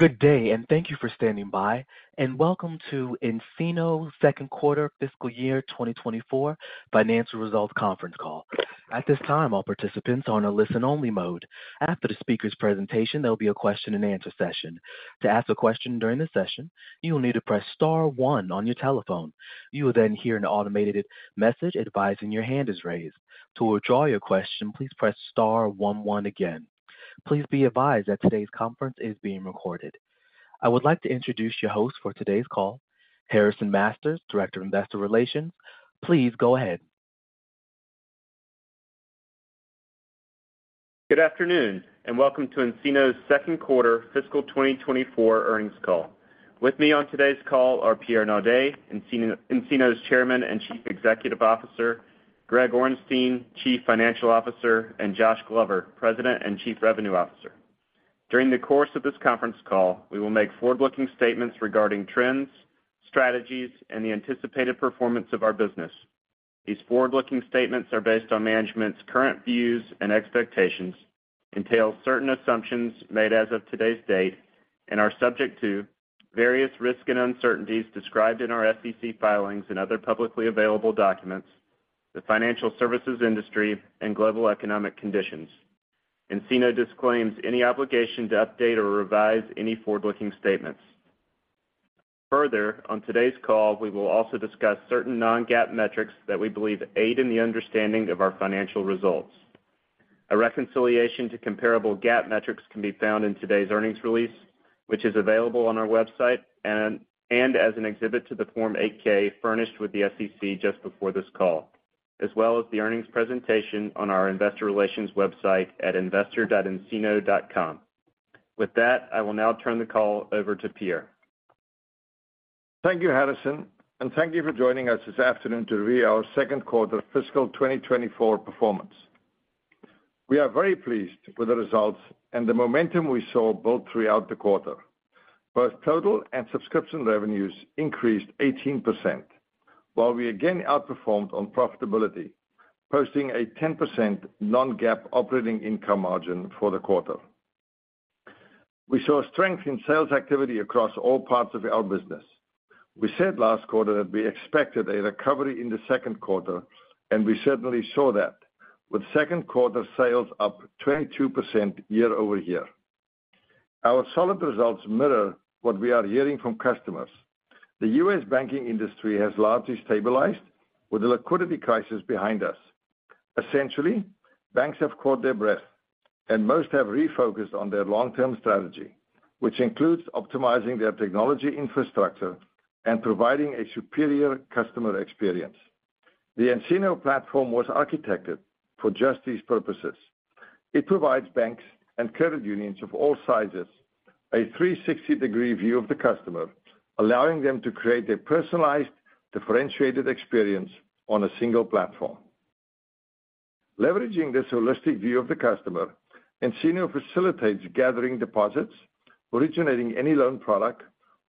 Good day, and thank you for standing by, and welcome to nCino's second quarter fiscal year 2024 financial results conference call. At this time, all participants are on a listen-only mode. After the speaker's presentation, there'll be a question-and-answer session. To ask a question during the session, you will need to press star one on your telephone. You will then hear an automated message advising your hand is raised. To withdraw your question, please press star one one again. Please be advised that today's conference is being recorded. I would like to introduce your host for today's call, Harrison Masters, Director of Investor Relations. Please go ahead. Good afternoon, and welcome to nCino's second quarter fiscal 2024 earnings call. With me on today's call are Pierre Naudé, nCino's Chairman and Chief Executive Officer, Greg Orenstein, Chief Financial Officer, and Josh Glover, President and Chief Revenue Officer. During the course of this conference call, we will make forward-looking statements regarding trends, strategies, and the anticipated performance of our business. These forward-looking statements are based on management's current views and expectations, entail certain assumptions made as of today's date, and are subject to various risks and uncertainties described in our SEC filings and other publicly available documents, the financial services industry, and global economic conditions. nCino disclaims any obligation to update or revise any forward-looking statements. Further, on today's call, we will also discuss certain non-GAAP metrics that we believe aid in the understanding of our financial results. A reconciliation to comparable GAAP metrics can be found in today's earnings release, which is available on our website and as an exhibit to the Form 8-K furnished with the SEC just before this call, as well as the earnings presentation on our investor relations website at investor.ncino.com. With that, I will now turn the call over to Pierre. Thank you, Harrison, and thank you for joining us this afternoon to review our second quarter fiscal 2024 performance. We are very pleased with the results and the momentum we saw built throughout the quarter. Both total and subscription revenues increased 18%, while we again outperformed on profitability, posting a 10% non-GAAP operating income margin for the quarter. We saw strength in sales activity across all parts of our business. We said last quarter that we expected a recovery in the second quarter, and we certainly saw that, with second quarter sales up 22% year-over-year. Our solid results mirror what we are hearing from customers. The U.S. banking industry has largely stabilized with the liquidity crisis behind us. Essentially, banks have caught their breath, and most have refocused on their long-term strategy, which includes optimizing their technology infrastructure and providing a superior customer experience. The nCino platform was architected for just these purposes. It provides banks and credit unions of all sizes a 360-degree view of the customer, allowing them to create a personalized, differentiated experience on a single platform. Leveraging this holistic view of the customer, nCino facilitates gathering deposits, originating any loan product,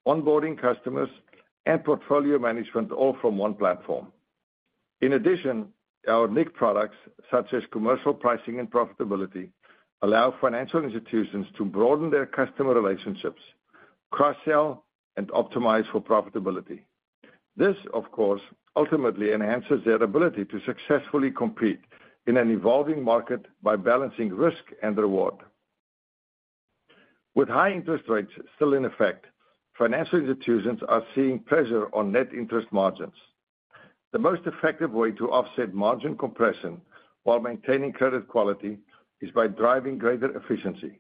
onboarding customers, and portfolio management all from one platform. In addition, our nCino products, such as Commercial Pricing and Profitability, allow financial institutions to broaden their customer relationships, cross-sell, and optimize for profitability. This, of course, ultimately enhances their ability to successfully compete in an evolving market by balancing risk and reward. With high interest rates still in effect, financial institutions are seeing pressure on net interest margins. The most effective way to offset margin compression while maintaining credit quality is by driving greater efficiency.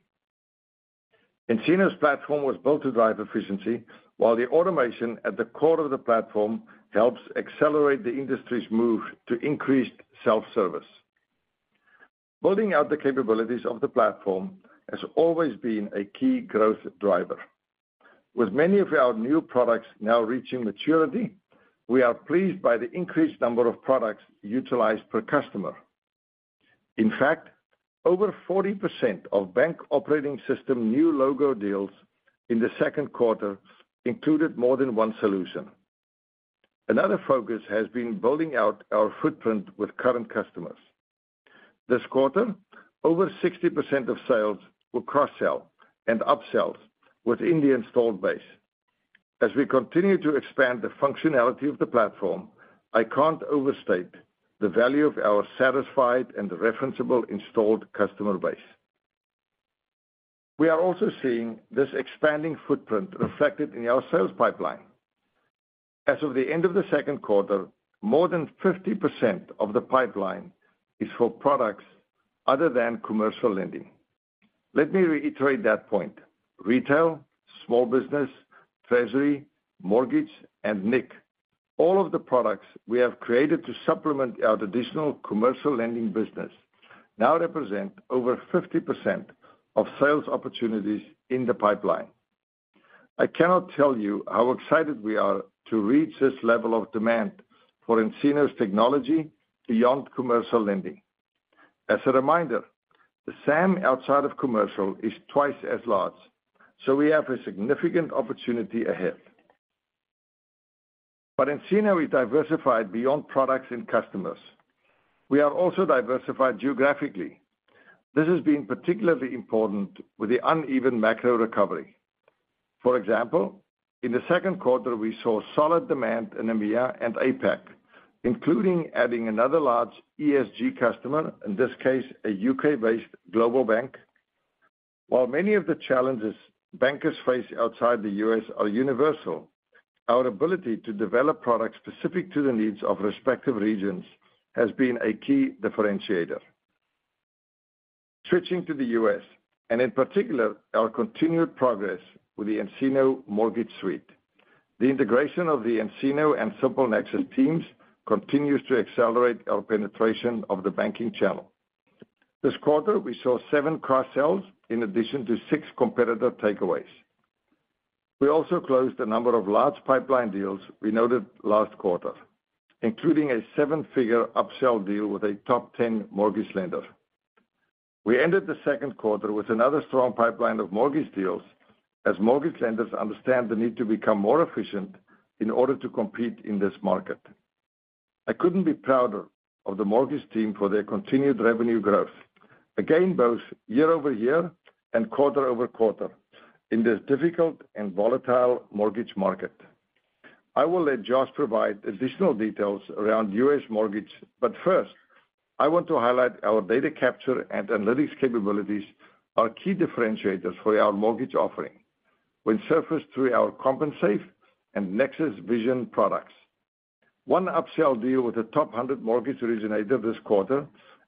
nCino's platform was built to drive efficiency, while the automation at the core of the platform helps accelerate the industry's move to increased self-service. Building out the capabilities of the platform has always been a key growth driver. With many of our new products now reaching maturity, we are pleased by the increased number of products utilized per customer. In fact, over 40% of bank operating system new logo deals in the second quarter included more than one solution. Another focus has been building out our footprint with current customers. This quarter, over 60% of sales were cross-sell and upsells within the installed base. As we continue to expand the functionality of the platform, I can't overstate the value of our satisfied and referenceable installed customer base. We are also seeing this expanding footprint reflected in our sales pipeline. As of the end of the second quarter, more than 50% of the pipeline is for products other than commercial lending. Let me reiterate that point. Retail, small business, treasury, mortgage, and nCino, all of the products we have created to supplement our traditional commercial lending business, now represent over 50% of sales opportunities in the pipeline. I cannot tell you how excited we are to reach this level of demand for nCino's technology beyond commercial lending. As a reminder, the SAM outside of commercial is twice as large, so we have a significant opportunity ahead. But in nCino, we diversified beyond products and customers. We have also diversified geographically. This has been particularly important with the uneven macro recovery. For example, in the second quarter, we saw solid demand in EMEA and APAC, including adding another large ESG customer, in this case, a UK-based global bank. While many of the challenges bankers face outside the U.S. are universal, our ability to develop products specific to the needs of respective regions has been a key differentiator. Switching to the U.S., and in particular, our continued progress with the nCino Mortgage Suite. The integration of the nCino and SimpleNexus teams continues to accelerate our penetration of the banking channel. This quarter, we saw seven cross-sells in addition to six competitor takeaways. We also closed a number of large pipeline deals we noted last quarter, including a seven-figure upsell deal with a top 10 mortgage lender. We ended the second quarter with another strong pipeline of mortgage deals, as mortgage lenders understand the need to become more efficient in order to compete in this market. I couldn't be prouder of the mortgage team for their continued revenue growth, again, both year-over-year and quarter-over-quarter, in this difficult and volatile mortgage market. I will let Josh provide additional details around U.S. mortgage, but first, I want to highlight our data capture and analytics capabilities are key differentiators for our mortgage offering when surfaced through our CompenSafe and Nexus Vision products. One upsell deal with a top 100 mortgage originator this quarter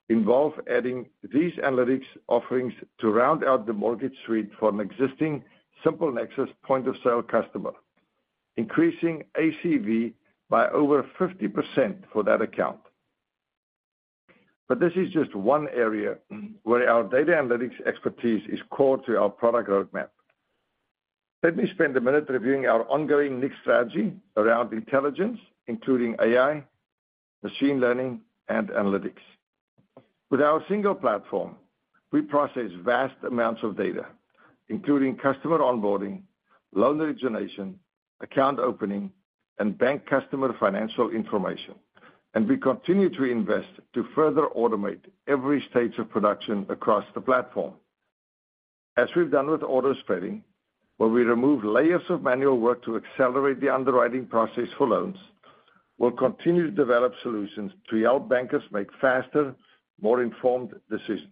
involved adding these analytics offerings to round out the mortgage suite for an existing SimpleNexus Point-of-Sale customer, increasing ACV by over 50% for that account. But this is just one area where our data analytics expertise is core to our product roadmap. Let me spend a minute reviewing our ongoing next strategy around intelligence, including AI, machine learning, and analytics. With our single platform, we process vast amounts of data, including customer onboarding, loan origination, account opening, and bank customer financial information, and we continue to invest to further automate every stage of production across the platform. As we've done with auto spreading, where we remove layers of manual work to accelerate the underwriting process for loans, we'll continue to develop solutions to help bankers make faster, more informed decisions.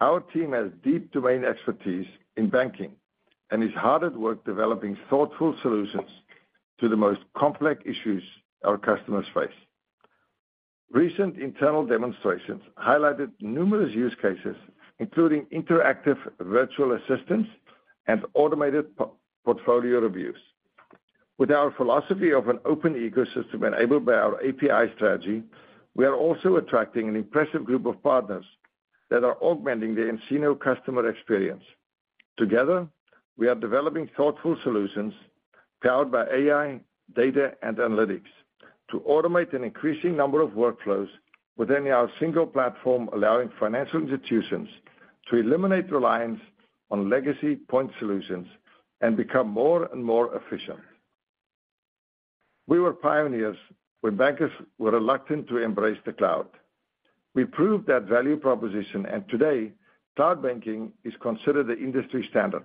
Our team has deep domain expertise in banking and is hard at work developing thoughtful solutions to the most complex issues our customers face. Recent internal demonstrations highlighted numerous use cases, including interactive virtual assistants and automated portfolio reviews. With our philosophy of an open ecosystem enabled by our API strategy, we are also attracting an impressive group of partners that are augmenting the nCino customer experience. Together, we are developing thoughtful solutions powered by AI, data, and analytics to automate an increasing number of workflows within our single platform, allowing financial institutions to eliminate reliance on legacy point solutions and become more and more efficient. We were pioneers when bankers were reluctant to embrace the cloud. We proved that value proposition, and today, cloud banking is considered the industry standard.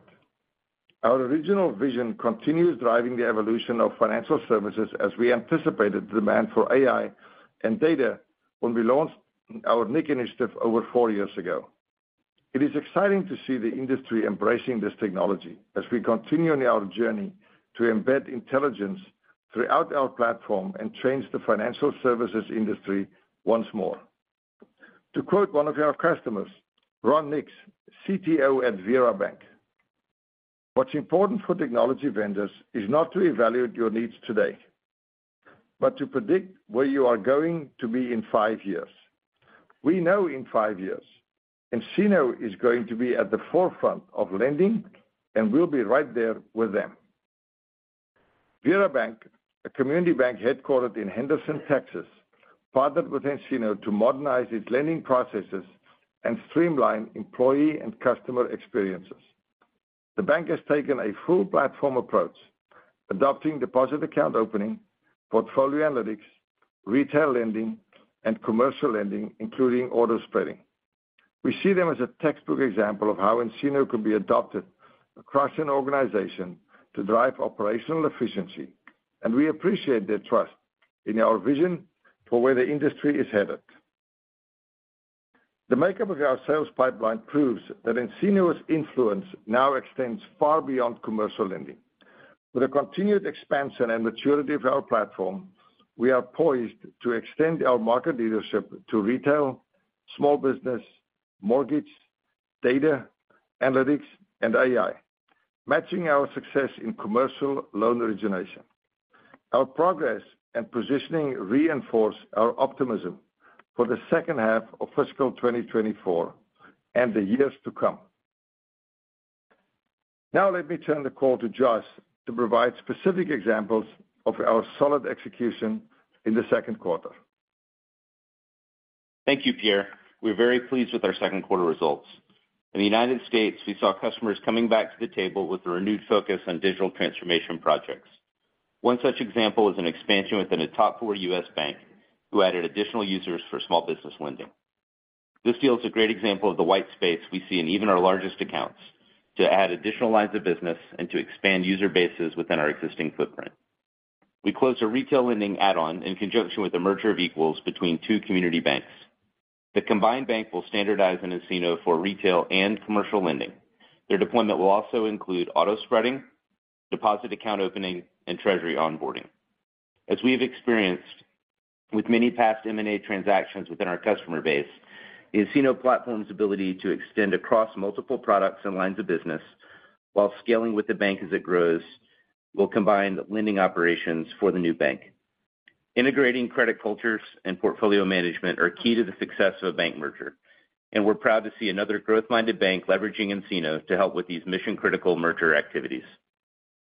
Our original vision continues driving the evolution of financial services as we anticipated demand for AI and data when we launched our nIQ initiative over four years ago. It is exciting to see the industry embracing this technology as we continue on our journey to embed intelligence throughout our platform and change the financial services industry once more. To quote one of our customers, Ron Nix, CTO at VeraBank, "What's important for technology vendors is not to evaluate your needs today, but to predict where you are going to be in five years. We know in five years, nCino is going to be at the forefront of lending, and we'll be right there with them." Vera Bank, a community bank headquartered in Henderson, Texas, partnered with nCino to modernize its lending processes and streamline employee and customer experiences. The bank has taken a full platform approach, adopting Deposit Account Opening, Portfolio Analytics, Retail Lending, and commercial lending, including Auto Spreading. We see them as a textbook example of how nCino can be adopted across an organization to drive operational efficiency, and we appreciate their trust in our vision for where the industry is headed. The makeup of our sales pipeline proves that nCino's influence now extends far beyond commercial lending. With a continued expansion and maturity of our platform, we are poised to extend our market leadership to retail, small business, mortgage, data, analytics, and AI, matching our success in commercial loan origination. Our progress and positioning reinforce our optimism for the second half of fiscal 2024 and the years to come. Now let me turn the call to Josh to provide specific examples of our solid execution in the second quarter. Thank you, Pierre. We're very pleased with our second quarter results. In the United States, we saw customers coming back to the table with a renewed focus on digital transformation projects. One such example is an expansion within a top four U.S. bank, who added additional users for Small Business Lending. This deal is a great example of the white space we see in even our largest accounts, to add additional lines of business and to expand user bases within our existing footprint. We closed a Retail Lending add-on in conjunction with the merger of equals between two community banks. The combined bank will standardize an nCino for Retail Lending and commercial lending. Their deployment will also include Auto Spreading, Deposit Account Opening, and Treasury Onboarding. As we have experienced with many past M&A transactions within our customer base, the nCino platform's ability to extend across multiple products and lines of business while scaling with the bank as it grows, will combine the lending operations for the new bank. Integrating credit cultures and portfolio management are key to the success of a bank merger, and we're proud to see another growth-minded bank leveraging nCino to help with these mission-critical merger activities.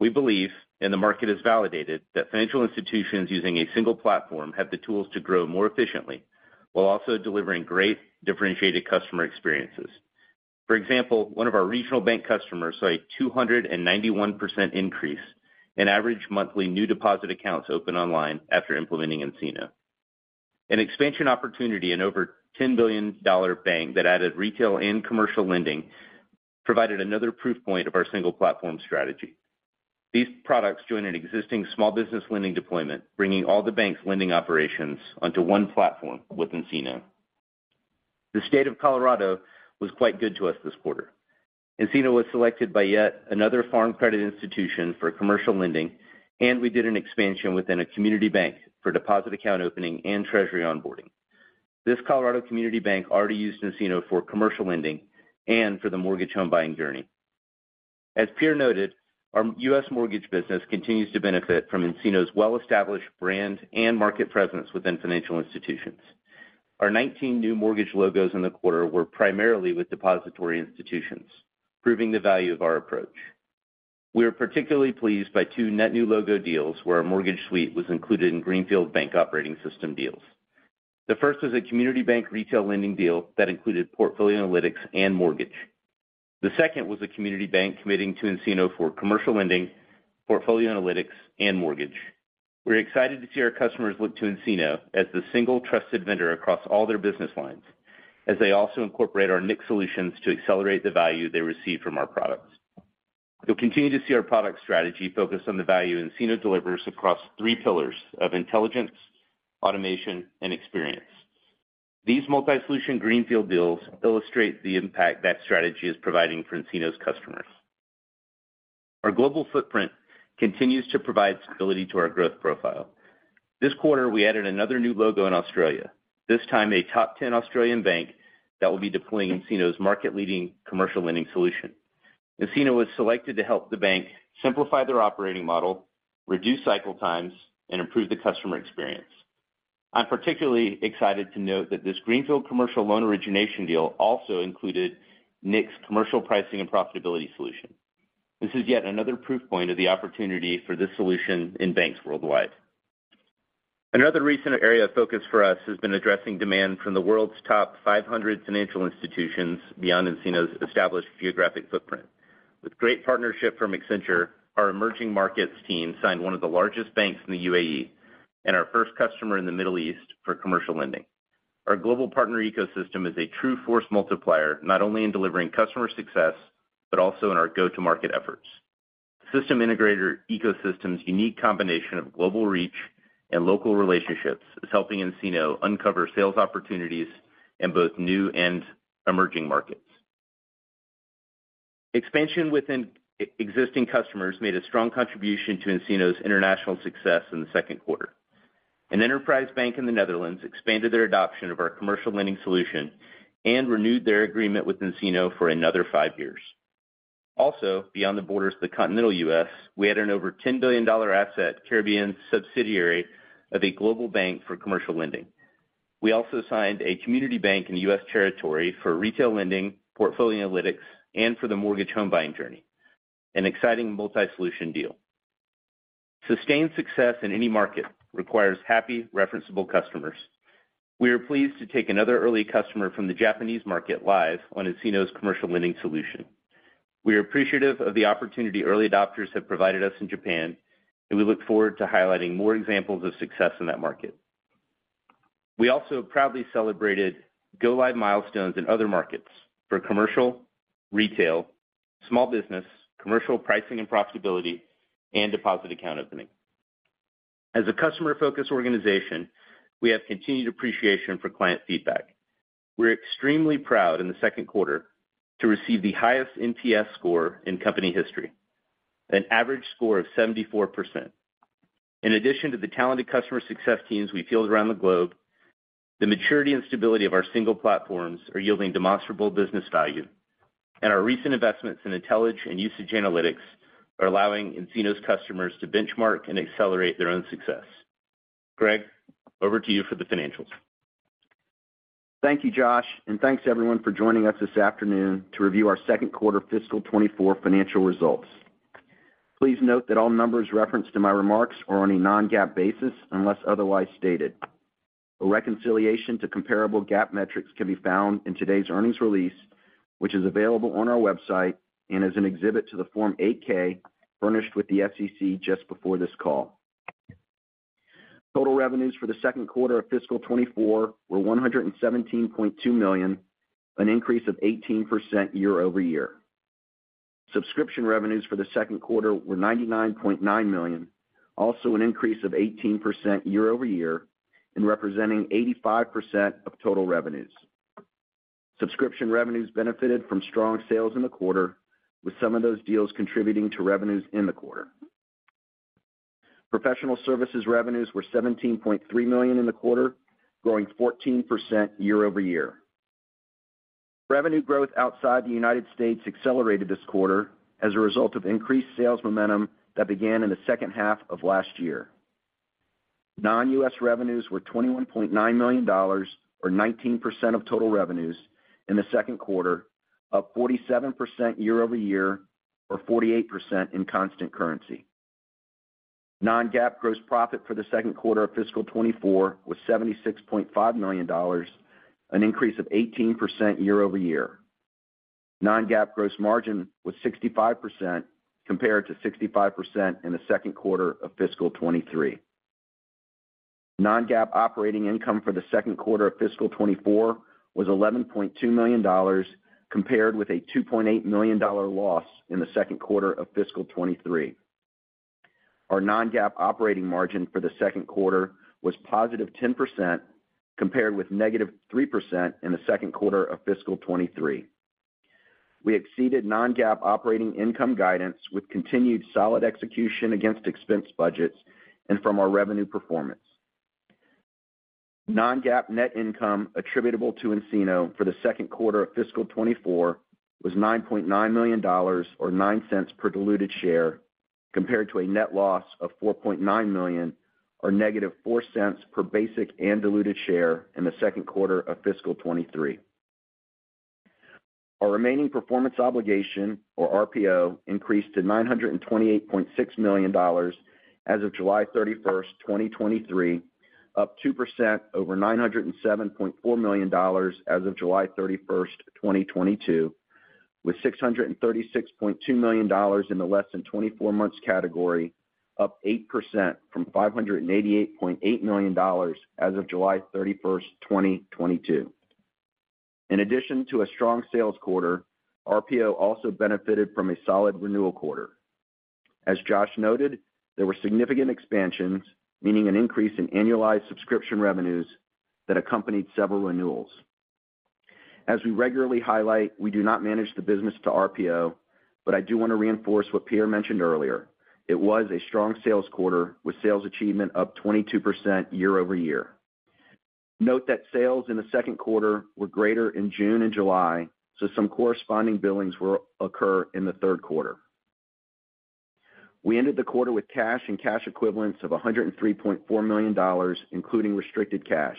We believe, and the market has validated, that financial institutions using a single platform have the tools to grow more efficiently while also delivering great differentiated customer experiences. For example, one of our regional bank customers saw a 291% increase in average monthly new deposit accounts open online after implementing nCino. An expansion opportunity in over $10 billion bank that added retail and commercial lending, provided another proof point of our single platform strategy. These products join an existing small business lending deployment, bringing all the bank's lending operations onto one platform with nCino. The state of Colorado was quite good to us this quarter. nCino was selected by yet another farm credit institution for commercial lending, and we did an expansion within a community bank for deposit account opening and treasury onboarding. This Colorado community bank already used nCino for commercial lending and for the mortgage home buying journey. As Pierre noted, our U.S. mortgage business continues to benefit from nCino's well-established brand and market presence within financial institutions. Our 19 new mortgage logos in the quarter were primarily with depository institutions, proving the value of our approach. We are particularly pleased by two net new logo deals where our Mortgage Suite was included in greenfield bank operating system deals. The first was a community bank Retail Lending deal that included Portfolio Analytics and mortgage. The second was a community bank committing to nCino for commercial lending, Portfolio Analytics, and mortgage. We're excited to see our customers look to nCino as the single trusted vendor across all their business lines, as they also incorporate our nIQ solutions to accelerate the value they receive from our products. You'll continue to see our product strategy focused on the value nCino delivers across three pillars of intelligence, automation, and experience. These multi-solution greenfield deals illustrate the impact that strategy is providing for nCino's customers. Our global footprint continues to provide stability to our growth profile. This quarter, we added another new logo in Australia, this time a top 10 Australian bank that will be deploying nCino's market-leading commercial lending solution. nCino was selected to help the bank simplify their operating model, reduce cycle times, and improve the customer experience. I'm particularly excited to note that this greenfield commercial loan origination deal also included nIQ's Commercial Pricing and Profitability solution. This is yet another proof point of the opportunity for this solution in banks worldwide. Another recent area of focus for us has been addressing demand from the world's top 500 financial institutions beyond nCino's established geographic footprint. With great partnership from Accenture, our emerging markets team signed one of the largest banks in the UAE and our first customer in the Middle East for commercial lending. Our global partner ecosystem is a true force multiplier, not only in delivering customer success, but also in our go-to-market efforts. System integrator ecosystem's unique combination of global reach and local relationships is helping nCino uncover sales opportunities in both new and emerging markets. Expansion within existing customers made a strong contribution to nCino's international success in the second quarter. An enterprise bank in the Netherlands expanded their adoption of our commercial lending solution and renewed their agreement with nCino for another five years. Also, beyond the borders of the continental U.S., we added an over $10 billion asset Caribbean subsidiary of a global bank for commercial lending. We also signed a community bank in the U.S. territory for retail lending, portfolio analytics, and for the mortgage home buying journey, an exciting multi-solution deal. Sustained success in any market requires happy, referenceable customers. We are pleased to take another early customer from the Japanese market live on nCino's commercial lending solution. We are appreciative of the opportunity early adopters have provided us in Japan, and we look forward to highlighting more examples of success in that market. We also proudly celebrated go-live milestones in other markets for commercial, retail, small business, commercial pricing and profitability, and deposit account opening. As a customer-focused organization, we have continued appreciation for client feedback. We're extremely proud in the second quarter to receive the highest NPS score in company history, an average score of 74%. In addition to the talented customer success teams we field around the globe, the maturity and stability of our single platforms are yielding demonstrable business value, and our recent investments in intelligence and usage analytics are allowing nCino's customers to benchmark and accelerate their own success. Greg, over to you for the financials. Thank you, Josh, and thanks, everyone, for joining us this afternoon to review our second quarter fiscal 2024 financial results. Please note that all numbers referenced in my remarks are on a non-GAAP basis, unless otherwise stated. A reconciliation to comparable GAAP metrics can be found in today's earnings release, which is available on our website and as an exhibit to the Form 8-K, furnished with the SEC just before this call. Total revenues for the second quarter of fiscal 2024 were $117.2 million, an increase of 18% year-over-year. Subscription revenues for the second quarter were $99.9 million, also an increase of 18% year-over-year, and representing 85% of total revenues. Subscription revenues benefited from strong sales in the quarter, with some of those deals contributing to revenues in the quarter. Professional services revenues were $17.3 million in the quarter, growing 14% year-over-year. Revenue growth outside the United States accelerated this quarter as a result of increased sales momentum that began in the second half of last year. Non-US revenues were $21.9 million, or 19% of total revenues in the second quarter, up 47% year-over-year, or 48% in constant currency. Non-GAAP gross profit for the second quarter of fiscal 2024 was $76.5 million, an increase of 18% year-over-year. Non-GAAP gross margin was 65%, compared to 65% in the second quarter of fiscal 2023. Non-GAAP operating income for the second quarter of fiscal 2024 was $11.2 million, compared with a $2.8 million loss in the second quarter of fiscal 2023. Our non-GAAP operating margin for the second quarter was positive 10%, compared with negative 3% in the second quarter of fiscal 2023. We exceeded non-GAAP operating income guidance with continued solid execution against expense budgets and from our revenue performance. Non-GAAP net income attributable to nCino for the second quarter of fiscal 2024 was $9.9 million, or $0.09 per diluted share, compared to a net loss of $4.9 million, or -$0.04 per basic and diluted share in the second quarter of fiscal 2023. Our remaining performance obligation, or RPO, increased to $928.6 million as of July 31, 2023, up 2% over $907.4 million as of July 31, 2022, with $636.2 million in the less than 24 months category, up 8% from $588.8 million as of July 31, 2022. In addition to a strong sales quarter, RPO also benefited from a solid renewal quarter. As Josh noted, there were significant expansions, meaning an increase in annualized subscription revenues that accompanied several renewals. As we regularly highlight, we do not manage the business to RPO, but I do want to reinforce what Pierre mentioned earlier. It was a strong sales quarter, with sales achievement up 22% year-over-year. Note that sales in the second quarter were greater in June and July, so some corresponding billings will occur in the third quarter. We ended the quarter with cash and cash equivalents of $103.4 million, including restricted cash.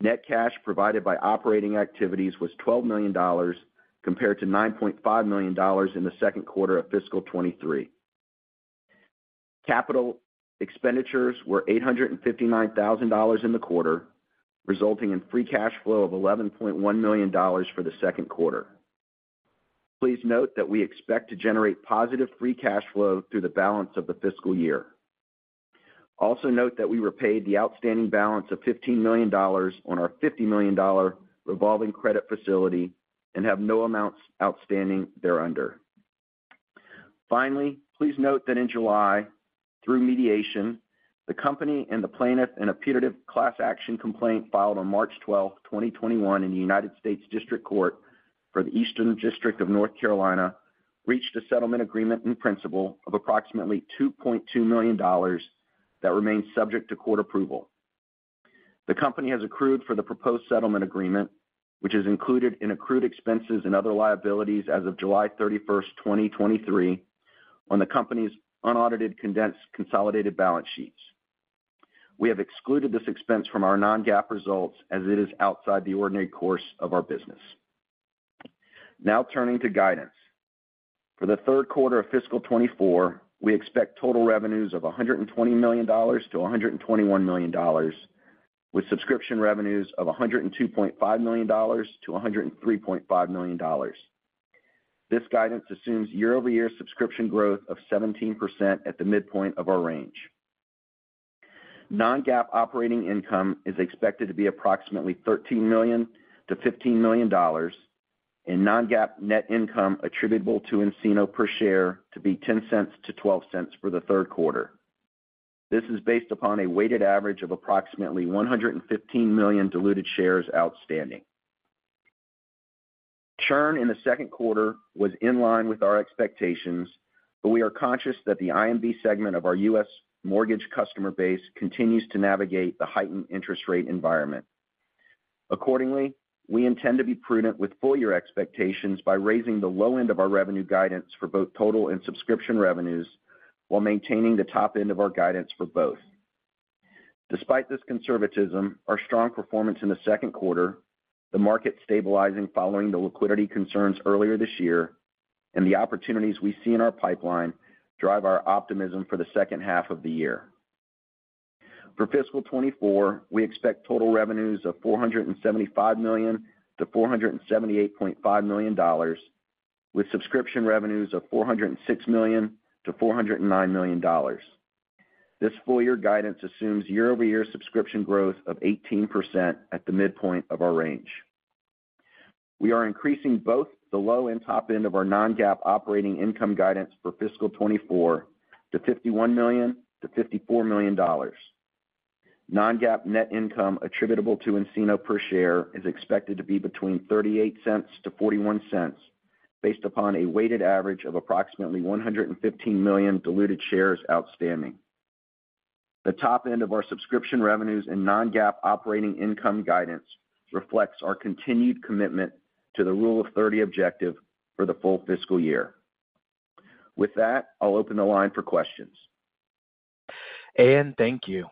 Net cash provided by operating activities was $12 million, compared to $9.5 million in the second quarter of fiscal 2023. Capital expenditures were $859,000 in the quarter, resulting in free cash flow of $11.1 million for the second quarter. Please note that we expect to generate positive free cash flow through the balance of the fiscal year. Also note that we repaid the outstanding balance of $15 million on our $50 million dollar revolving credit facility and have no amounts outstanding thereunder. Finally, please note that in July, through mediation, the company and the plaintiff in a putative class action complaint filed on March 12, 2021, in the United States District Court for the Eastern District of North Carolina, reached a settlement agreement in principle of approximately $2.2 million that remains subject to court approval. The company has accrued for the proposed settlement agreement, which is included in accrued expenses and other liabilities as of July 31, 2023, on the company's unaudited, condensed, consolidated balance sheets. We have excluded this expense from our non-GAAP results as it is outside the ordinary course of our business. Now, turning to guidance. For the third quarter of fiscal 2024, we expect total revenues of $120 million-$121 million, with subscription revenues of $102.5 million-$103.5 million. This guidance assumes year-over-year subscription growth of 17% at the midpoint of our range. Non-GAAP operating income is expected to be approximately $13 million-$15 million, and non-GAAP net income attributable to nCino per share to be $0.10-$0.12 for the third quarter. This is based upon a weighted average of approximately 115 million diluted shares outstanding. Churn in the second quarter was in line with our expectations, but we are conscious that the IMB segment of our U.S. mortgage customer base continues to navigate the heightened interest rate environment. Accordingly, we intend to be prudent with full year expectations by raising the low end of our revenue guidance for both total and subscription revenues, while maintaining the top end of our guidance for both. Despite this conservatism, our strong performance in the second quarter, the market stabilizing following the liquidity concerns earlier this year, and the opportunities we see in our pipeline drive our optimism for the second half of the year. For fiscal 2024, we expect total revenues of $475 million-$478.5 million, with subscription revenues of $406 million-$409 million. This full year guidance assumes year-over-year subscription growth of 18% at the midpoint of our range. We are increasing both the low and top end of our non-GAAP operating income guidance for fiscal 2024 to $51 million-$54 million. Non-GAAP net income attributable to nCino per share is expected to be between $0.38-$0.41, based upon a weighted average of approximately 115 million diluted shares outstanding. The top end of our subscription revenues and non-GAAP operating income guidance reflects our continued commitment to the rule of thirty objective for the full fiscal year. With that, I'll open the line for questions. Thank you.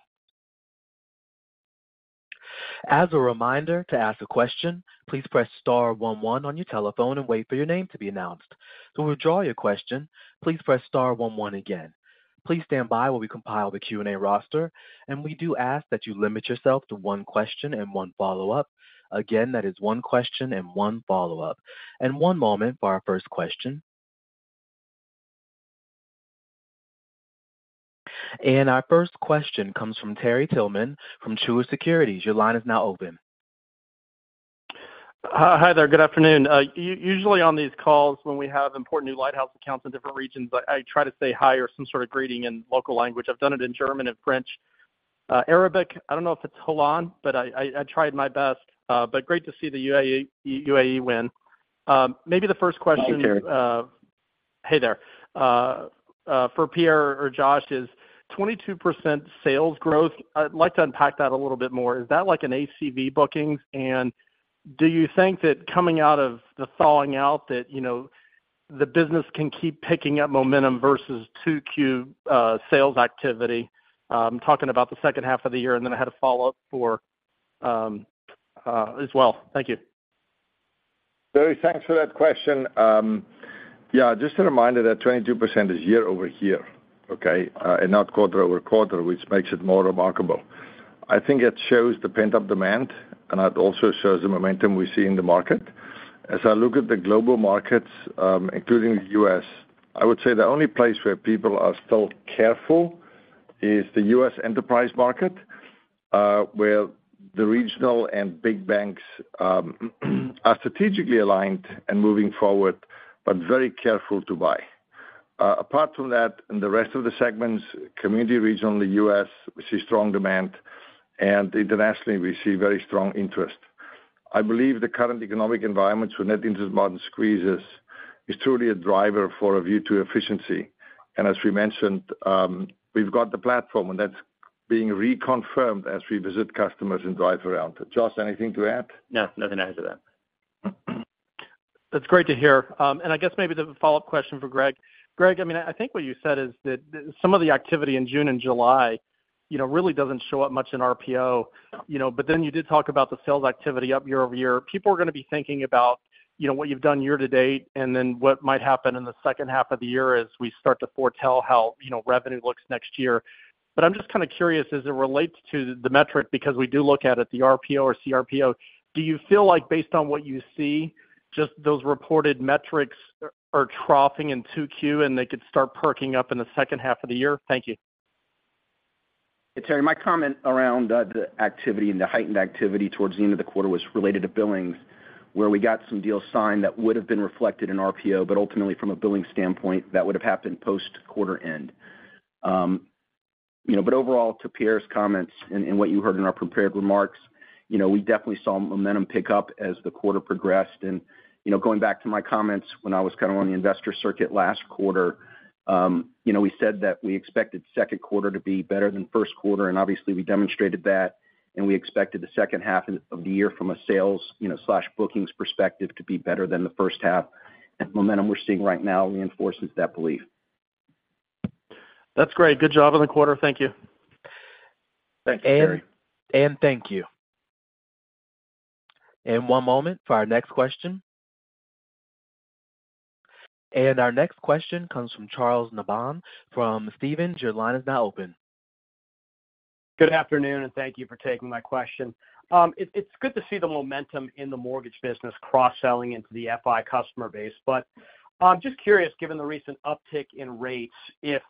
As a reminder, to ask a question, please press star one one on your telephone and wait for your name to be announced. To withdraw your question, please press star one one again. Please stand by while we compile the Q&A roster, and we do ask that you limit yourself to one question and one follow-up. Again, that is one question and one follow-up. One moment for our first question. Our first question comes from Terry Tillman from Truist Securities. Your line is now open. Hi there. Good afternoon. Usually on these calls, when we have important new lighthouse accounts in different regions, I try to say hi or some sort of greeting in local language. I've done it in German and French, Arabic. I don't know if it's hello, but I tried my best, but great to see the UAE, UAE win. Maybe the first question- Hi, Terry. Hey there. For Pierre or Josh, is 22% sales growth, I'd like to unpack that a little bit more. Is that like an ACV bookings? And do you think that coming out of the thawing out that, you know, the business can keep picking up momentum versus 2Q sales activity? Talking about the second half of the year, and then I had a follow-up for as well. Thank you. Terry, thanks for that question. Yeah, just a reminder that 22% is year-over-year, okay? And not quarter-over-quarter, which makes it more remarkable. I think it shows the pent-up demand, and it also shows the momentum we see in the market. As I look at the global markets, including the U.S., I would say the only place where people are still careful is the U.S. enterprise market, where the regional and big banks are strategically aligned and moving forward, but very careful to buy. Apart from that, in the rest of the segments, community region in the U.S., we see strong demand, and internationally, we see very strong interest. I believe the current economic environment, so Net Interest Margin squeezes, is truly a driver for a view to efficiency. As we mentioned, we've got the platform, and that's being reconfirmed as we visit customers and drive around. Josh, anything to add? No, nothing to add to that. That's great to hear. And I guess maybe the follow-up question for Greg. Greg, I mean, I think what you said is that some of the activity in June and July, you know, really doesn't show up much in RPO, you know, but then you did talk about the sales activity up year-over-year. People are gonna be thinking about, you know, what you've done year to date and then what might happen in the second half of the year as we start to foretell how, you know, revenue looks next year. But I'm just kind of curious, as it relates to the metric, because we do look at it, the RPO or CRPO, do you feel like based on what you see, just those reported metrics are troughing in 2Q, and they could start perking up in the second half of the year? Thank you. Hey, Terry. My comment around the activity and the heightened activity towards the end of the quarter was related to billings, where we got some deals signed that would have been reflected in RPO, but ultimately from a billing standpoint, that would have happened post-quarter end. You know, but overall, to Pierre's comments and what you heard in our prepared remarks, you know, we definitely saw momentum pick up as the quarter progressed. You know, going back to my comments when I was kind of on the investor circuit last quarter, you know, we said that we expected second quarter to be better than first quarter, and obviously we demonstrated that. We expected the second half of the year from a sales, you know, slash bookings perspective to be better than the first half, and momentum we're seeing right now reinforces that belief. That's great. Good job on the quarter. Thank you. Thank you, Terry. Thank you. One moment for our next question. Our next question comes from Charles Nabhan from Stephens. Your line is now open. Good afternoon, and thank you for taking my question. It's good to see the momentum in the mortgage business cross-selling into the FI customer base, but just curious, given the recent uptick in rates, if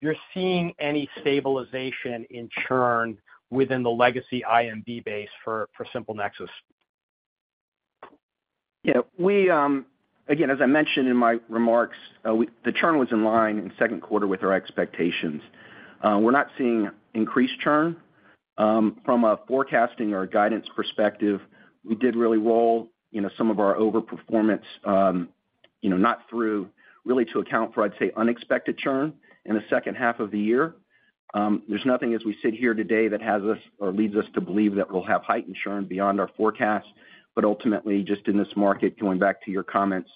you're seeing any stabilization in churn within the legacy IMB base for SimpleNexus? Yeah, we again, as I mentioned in my remarks, the churn was in line in second quarter with our expectations. We're not seeing increased churn. From a forecasting or guidance perspective, we did really roll, you know, some of our overperformance, you know, not through really to account for, I'd say, unexpected churn in the second half of the year. There's nothing as we sit here today that has us or leads us to believe that we'll have heightened churn beyond our forecast. But ultimately, just in this market, going back to your comments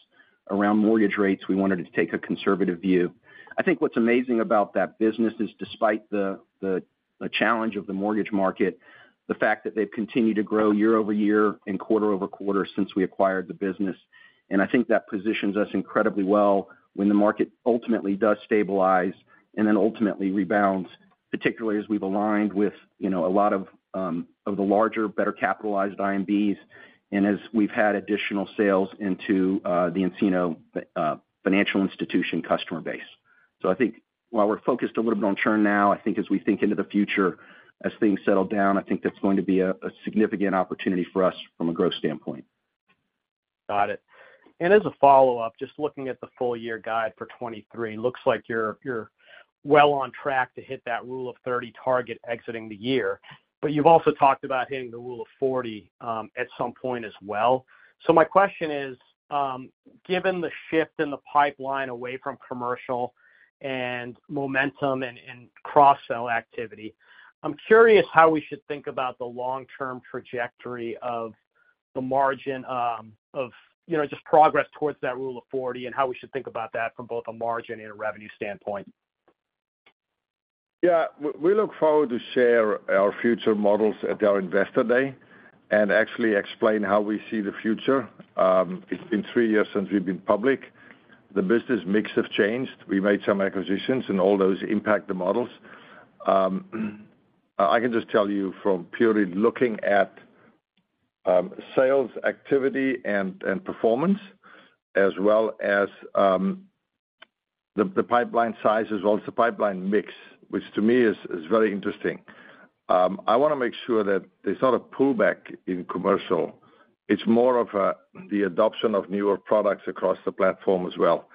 around mortgage rates, we wanted to take a conservative view. I think what's amazing about that business is despite the challenge of the mortgage market, the fact that they've continued to grow year-over-year and quarter-over-quarter since we acquired the business. I think that positions us incredibly well when the market ultimately does stabilize and then ultimately rebounds, particularly as we've aligned with, you know, a lot of, of the larger, better capitalized IMBs, and as we've had additional sales into, the nCino financial institution customer base. So I think while we're focused a little bit on churn now, I think as we think into the future, as things settle down, I think that's going to be a, a significant opportunity for us from a growth standpoint. Got it. And as a follow-up, just looking at the full year guide for 2023, looks like you're well on track to hit that rule of 30 target exiting the year. But you've also talked about hitting the rule of 40 at some point as well. So my question is, given the shift in the pipeline away from commercial and momentum and cross-sell activity, I'm curious how we should think about the long-term trajectory of the margin, of, you know, just progress towards that rule of 40, and how we should think about that from both a margin and a revenue standpoint. Yeah. We look forward to share our future models at our Investor Day and actually explain how we see the future. It's been three years since we've been public. The business mix has changed. We made some acquisitions, and all those impact the models. I can just tell you from purely looking at sales activity and performance, as well as the pipeline sizes, as well as the pipeline mix, which to me is very interesting. I want to make sure that this not a pullback in commercial, it's more of a the adoption of newer products across the platform as well.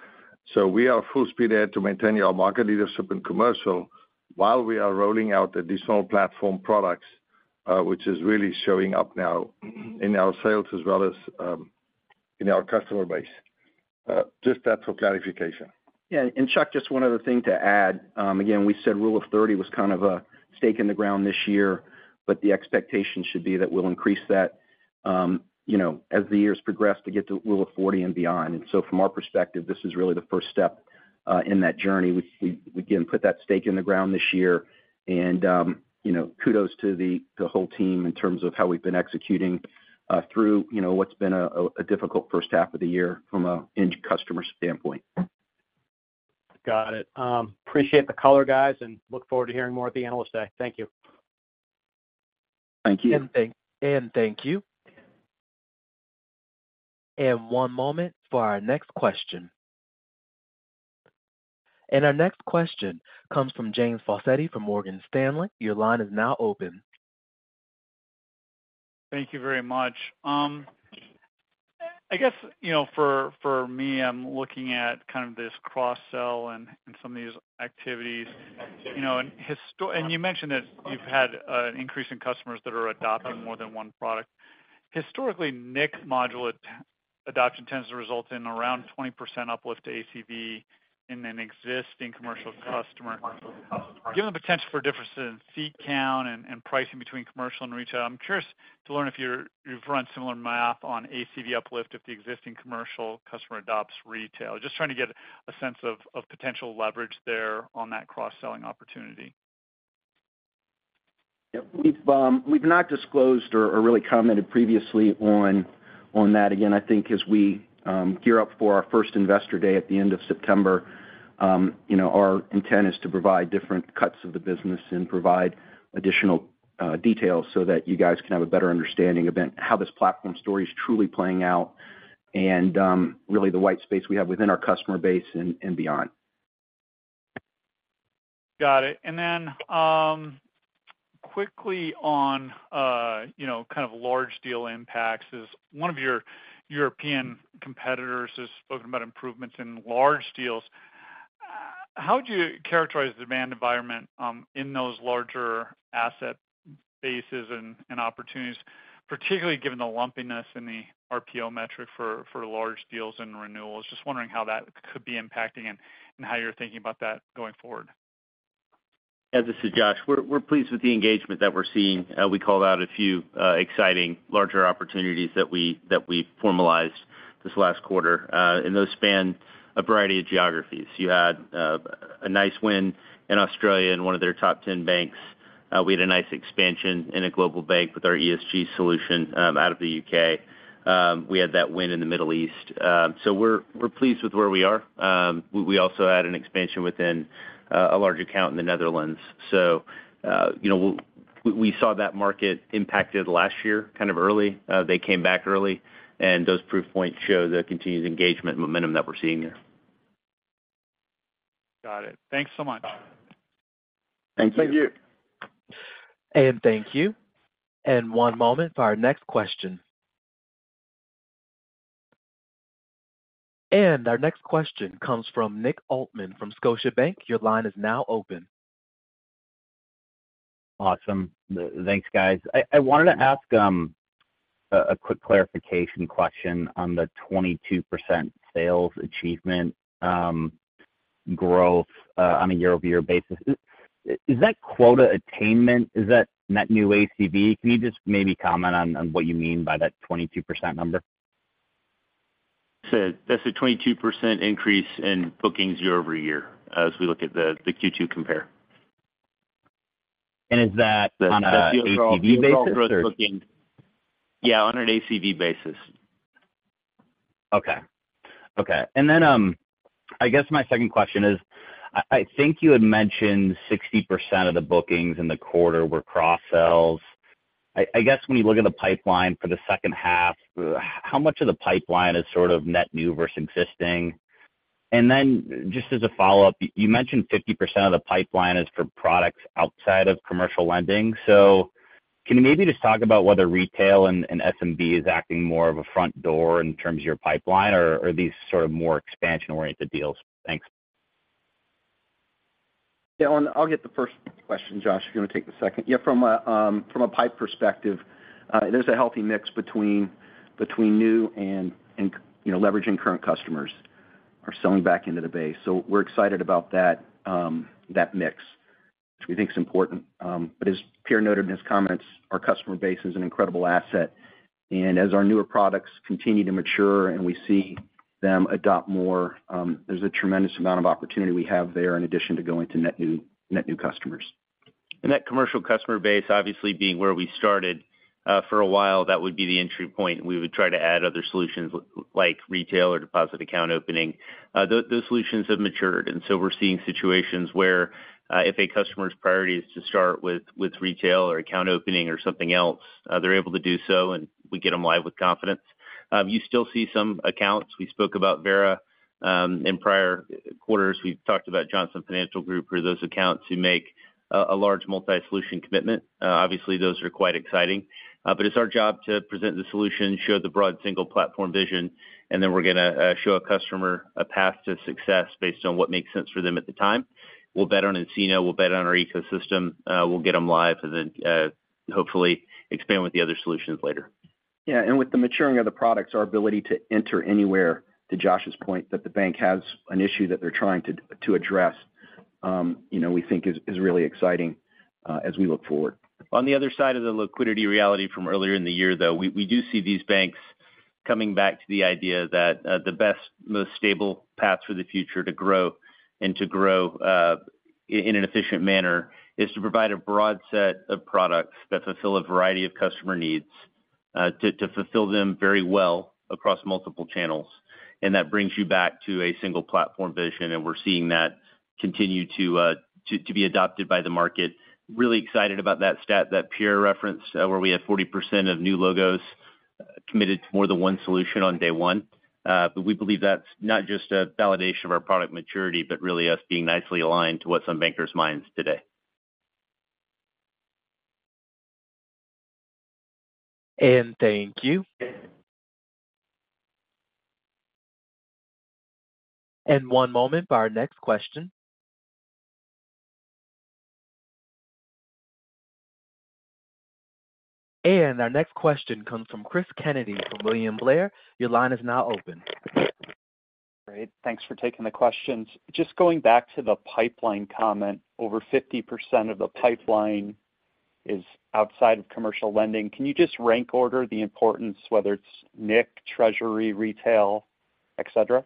So we are full speed ahead to maintain our market leadership in commercial while we are rolling out additional platform products, which is really showing up now in our sales as well as in our customer base. Just that for clarification. Yeah, and Chuck, just one other thing to add. Again, we said rule of 30 was kind of a stake in the ground this year, but the expectation should be that we'll increase that, you know, as the years progress, to get to rule of 40 and beyond. And so from our perspective, this is really the first step in that journey. We again put that stake in the ground this year, and, you know, kudos to the whole team in terms of how we've been executing through, you know, what's been a difficult first half of the year from an end customer standpoint. Got it. Appreciate the color, guys, and look forward to hearing more at the Analyst Day. Thank you. Thank you. Thank you. One moment for our next question. Our next question comes from James Faucette from Morgan Stanley. Your line is now open. Thank you very much. I guess, you know, for, for me, I'm looking at kind of this cross-sell and, and some of these activities, you know, and historically and you mentioned that you've had an increase in customers that are adopting more than one product. Historically, nCino module adoption tends to result in around 20% uplift to ACV in an existing commercial customer. Given the potential for differences in seat count and, and pricing between commercial and retail, I'm curious to learn if you've run similar math on ACV uplift if the existing commercial customer adopts retail. Just trying to get a sense of, of potential leverage there on that cross-selling opportunity. Yeah. We've we've not disclosed or really commented previously on that. Again, I think as we gear up for our first Investor Day at the end of September, you know, our intent is to provide different cuts of the business and provide additional details so that you guys can have a better understanding of then how this platform story is truly playing out, and really the white space we have within our customer base and beyond. Got it. And then, quickly on, you know, kind of large deal impacts is one of your European competitors has spoken about improvements in large deals. How would you characterize the demand environment, in those larger asset bases and opportunities, particularly given the lumpiness in the RPO metric for large deals and renewals? Just wondering how that could be impacting and how you're thinking about that going forward. Yeah, this is Josh. We're pleased with the engagement that we're seeing. We called out a few exciting larger opportunities that we formalized this last quarter, and those span a variety of geographies. You had a nice win in Australia in one of their top 10 banks. We had a nice expansion in a global bank with our ESG solution out of the U.K.. We had that win in the Middle East. So we're pleased with where we are. We also had an expansion within a large account in the Netherlands. So you know we saw that market impacted last year, kind of early. They came back early, and those proof points show the continued engagement and momentum that we're seeing there. Got it. Thanks so much. Thank you. Thank you. One moment for our next question. Our next question comes from Nick Altmann from Scotiabank. Your line is now open. Awesome. Thanks, guys. I wanted to ask a quick clarification question on the 22% sales achievement growth on a year-over-year basis. Is that quota attainment? Is that net new ACV? Can you just maybe comment on what you mean by that 22% number? So that's a 22% increase in bookings year-over-year as we look at the Q2 compare. Is that on an ACV basis or? Yeah, on an ACV basis. Okay. Okay, and then, I guess my second question is, I think you had mentioned 60% of the bookings in the quarter were cross-sells. I guess when you look at the pipeline for the second half, how much of the pipeline is sort of net new versus existing? And then just as a follow-up, you mentioned 50% of the pipeline is for products outside of commercial lending. So can you maybe just talk about whether retail and SMB is acting more of a front door in terms of your pipeline, or are these sort of more expansion-oriented deals? Thanks. Yeah, I'll get the first question, Josh. You're going to take the second. Yeah, from a pipe perspective, there's a healthy mix between new and, you know, leveraging current customers or selling back into the base. So we're excited about that mix, which we think is important. But as Pierre noted in his comments, our customer base is an incredible asset. And as our newer products continue to mature and we see them adopt more, there's a tremendous amount of opportunity we have there in addition to going to net new, net new customers. And that commercial customer base, obviously being where we started, for a while, that would be the entry point, and we would try to add other solutions like retail or deposit account opening. Those solutions have matured, and so we're seeing situations where, if a customer's priority is to start with retail or account opening or something else, they're able to do so, and we get them live with confidence. You still see some accounts. We spoke about Vera in prior quarters. We've talked about Johnson Financial Group or those accounts who make a large multi-solution commitment. Obviously, those are quite exciting. But it's our job to present the solution, show the broad single platform vision, and then we're going to show a customer a path to success based on what makes sense for them at the time. We'll bet on nCino, we'll bet on our ecosystem, we'll get them live and then, hopefully expand with the other solutions later. Yeah, and with the maturing of the products, our ability to enter anywhere, to Josh's point, that the bank has an issue that they're trying to address, you know, we think is really exciting as we look forward. On the other side of the liquidity reality from earlier in the year, though, we do see these banks coming back to the idea that the best, most stable path for the future to grow and to grow in an efficient manner is to provide a broad set of products that fulfill a variety of customer needs, to fulfill them very well across multiple channels. And that brings you back to a single platform vision, and we're seeing that continue to be adopted by the market. Really excited about that stat that Pierre referenced, where we have 40% of new logos committed to more than one solution on day one. But we believe that's not just a validation of our product maturity, but really us being nicely aligned to what's on bankers' minds today. Thank you. One moment for our next question. Our next question comes from Cris Kennedy from William Blair. Your line is now open. Great. Thanks for taking the questions. Just going back to the pipeline comment, over 50% of the pipeline is outside of commercial lending. Can you just rank order the importance, whether it's nCino, treasury, retail, et cetera?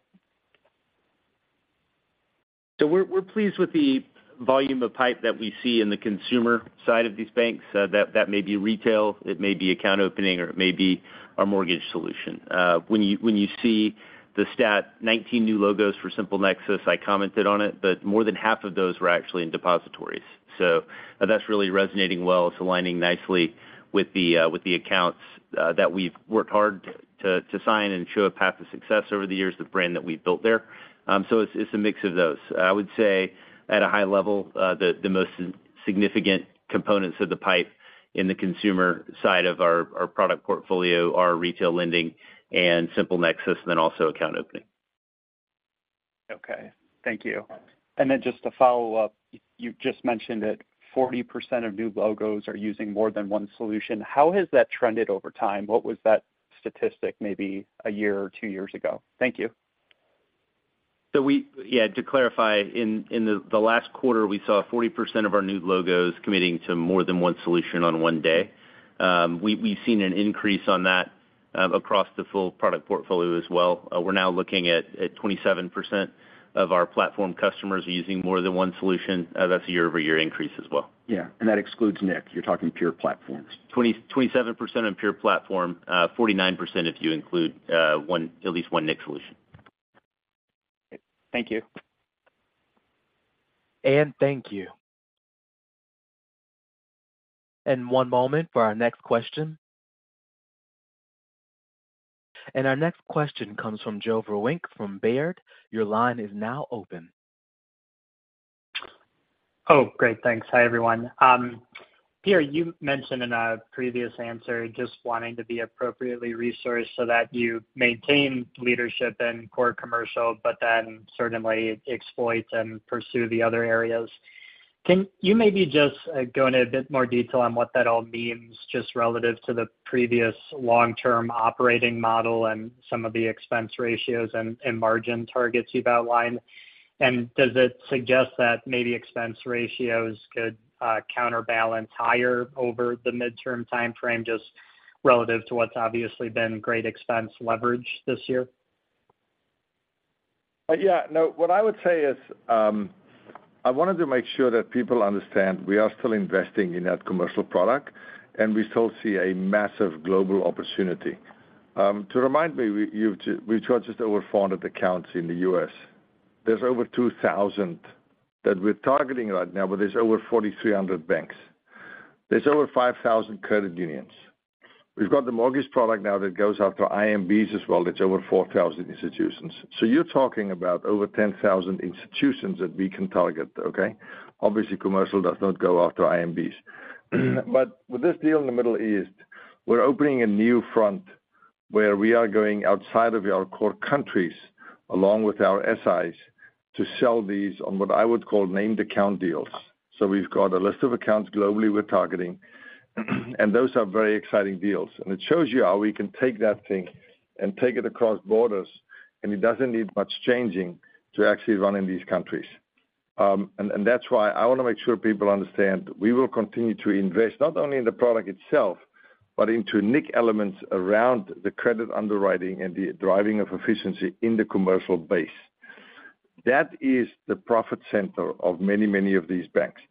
So we're pleased with the volume of pipe that we see in the consumer side of these banks. That may be retail, it may be account opening, or it may be our mortgage solution. When you see the stat, 19 new logos for SimpleNexus, I commented on it, but more than half of those were actually in depositories. So that's really resonating well. It's aligning nicely with the accounts that we've worked hard to sign and show a path to success over the years, the brand that we've built there. So it's a mix of those. I would say, at a high level, the most significant components of the pipe in the consumer side of our product portfolio are retail lending and SimpleNexus, and then also account opening. Okay. Thank you. And then just to follow up, you just mentioned that 40% of new logos are using more than one solution. How has that trended over time? What was that statistic maybe a year or two years ago? Thank you. To clarify, in the last quarter, we saw 40% of our new logos committing to more than one solution on one day. We've seen an increase on that across the full product portfolio as well. We're now looking at 27% of our platform customers are using more than one solution. That's a year-over-year increase as well. Yeah, and that excludes nCino. You're talking pure platforms. 27% on pure platform, 49% if you include at least one nCino solution. Thank you. Thank you. One moment for our next question. Our next question comes from Joe Vruwink from Baird. Your line is now open. Oh, great. Thanks. Hi, everyone. Pierre, you mentioned in a previous answer just wanting to be appropriately resourced so that you maintain leadership in core commercial, but then certainly exploit and pursue the other areas. Can you maybe just, go into a bit more detail on what that all means, just relative to the previous long-term operating model and some of the expense ratios and margin targets you've outlined? And does it suggest that maybe expense ratios could, counterbalance higher over the midterm timeframe, just relative to what's obviously been great expense leverage this year? Yeah. No, what I would say is, I wanted to make sure that people understand we are still investing in that commercial product, and we still see a massive global opportunity. To remind me, we've got just over 400 accounts in the U.S.. There's over 2,000 that we're targeting right now, but there's over 4,300 banks. There's over 5,000 credit unions. We've got the mortgage product now that goes out to IMBs as well, that's over 4,000 institutions. So you're talking about over 10,000 institutions that we can target, okay? Obviously, commercial does not go out to IMBs. But with this deal in the Middle East, we're opening a new front where we are going outside of our core countries, along with our SIs, to sell these on what I would call named account deals. So we've got a list of accounts globally we're targeting, and those are very exciting deals. And it shows you how we can take that thing and take it across borders, and it doesn't need much changing to actually run in these countries. And that's why I want to make sure people understand, we will continue to invest, not only in the product itself, but into nCino elements around the credit underwriting and the driving of efficiency in the commercial base. That is the profit center of many, many of these banks.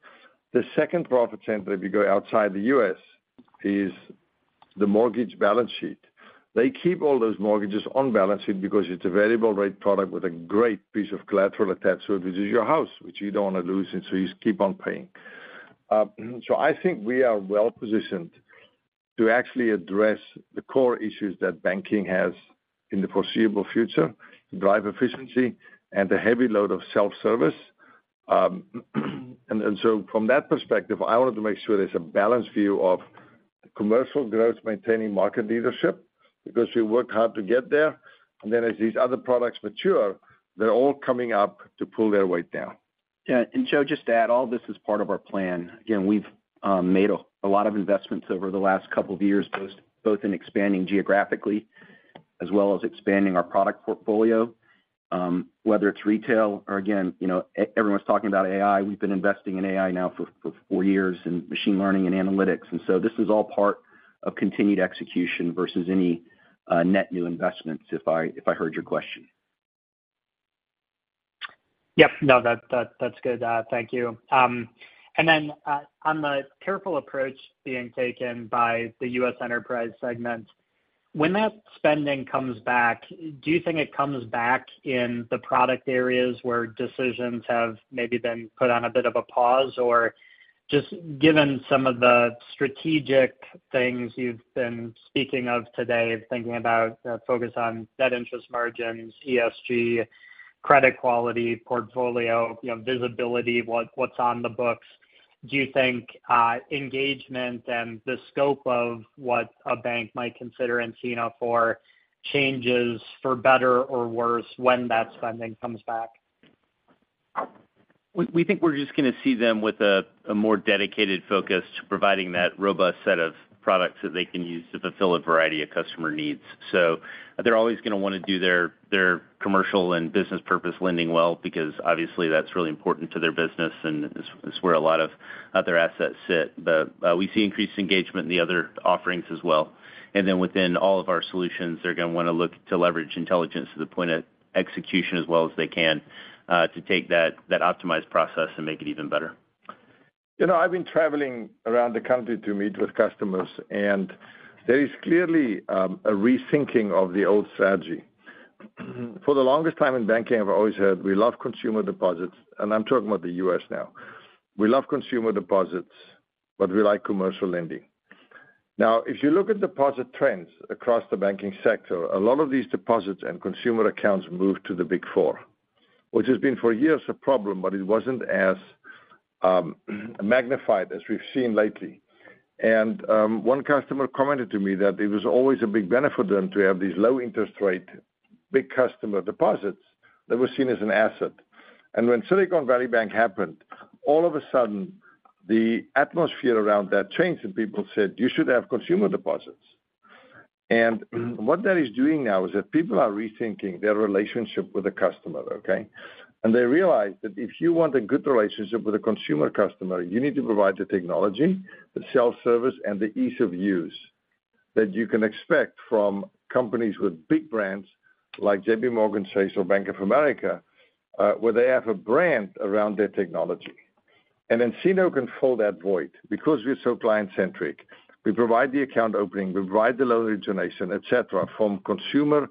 The second profit center, if you go outside the U.S., is the mortgage balance sheet. They keep all those mortgages on balance sheet because it's a variable rate product with a great piece of collateral attached to it, which is your house, which you don't want to lose, and so you just keep on paying. So I think we are well positioned to actually address the core issues that banking has in the foreseeable future, drive efficiency, and a heavy load of self-service. And then so from that perspective, I wanted to make sure there's a balanced view of commercial growth, maintaining market leadership, because we worked hard to get there. And then as these other products mature, they're all coming up to pull their weight down. Yeah, and Joe, just to add, all this is part of our plan. Again, we've made a lot of investments over the last couple of years, both in expanding geographically as well as expanding our product portfolio. Whether it's retail or again, you know, everyone's talking about AI. We've been investing in AI now for four years, and machine learning and analytics, and so this is all part of continued execution versus any net new investments, if I heard your question. Yep. No, that, that's good. Thank you. And then, on the careful approach being taken by the U.S. enterprise segment, when that spending comes back, do you think it comes back in the product areas where decisions have maybe been put on a bit of a pause? Or just given some of the strategic things you've been speaking of today, thinking about focus on net interest margins, ESG, credit quality, portfolio, you know, visibility, what's on the books. Do you think engagement and the scope of what a bank might consider nCino for changes for better or worse when that spending comes back? We think we're just going to see them with a more dedicated focus to providing that robust set of products that they can use to fulfill a variety of customer needs. So they're always going to want to do their commercial and business purpose lending well, because obviously, that's really important to their business, and it's where a lot of other assets sit. But we see increased engagement in the other offerings as well. And then within all of our solutions, they're going to want to look to leverage intelligence to the point of execution as well as they can to take that optimized process and make it even better. You know, I've been traveling around the country to meet with customers, and there is clearly a rethinking of the old strategy. For the longest time in banking, I've always heard, "We love consumer deposits," and I'm talking about the U.S. now. "We love consumer deposits, but we like commercial lending." Now, if you look at deposit trends across the banking sector, a lot of these deposits and consumer accounts moved to the Big Four, which has been for years a problem, but it wasn't as magnified as we've seen lately. And one customer commented to me that it was always a big benefit for them to have these low interest rate, big customer deposits that were seen as an asset. And when Silicon Valley Bank happened, all of a sudden, the atmosphere around that changed, and people said, "You should have consumer deposits." And what that is doing now is that people are rethinking their relationship with the customer, okay? And they realize that if you want a good relationship with a consumer customer, you need to provide the technology, the self-service, and the ease of use that you can expect from companies with big brands like JPMorgan Chase or Bank of America, where they have a brand around their technology. And nCino can fill that void because we're so client-centric. We provide the account opening, we provide the loan origination, et cetera, from consumer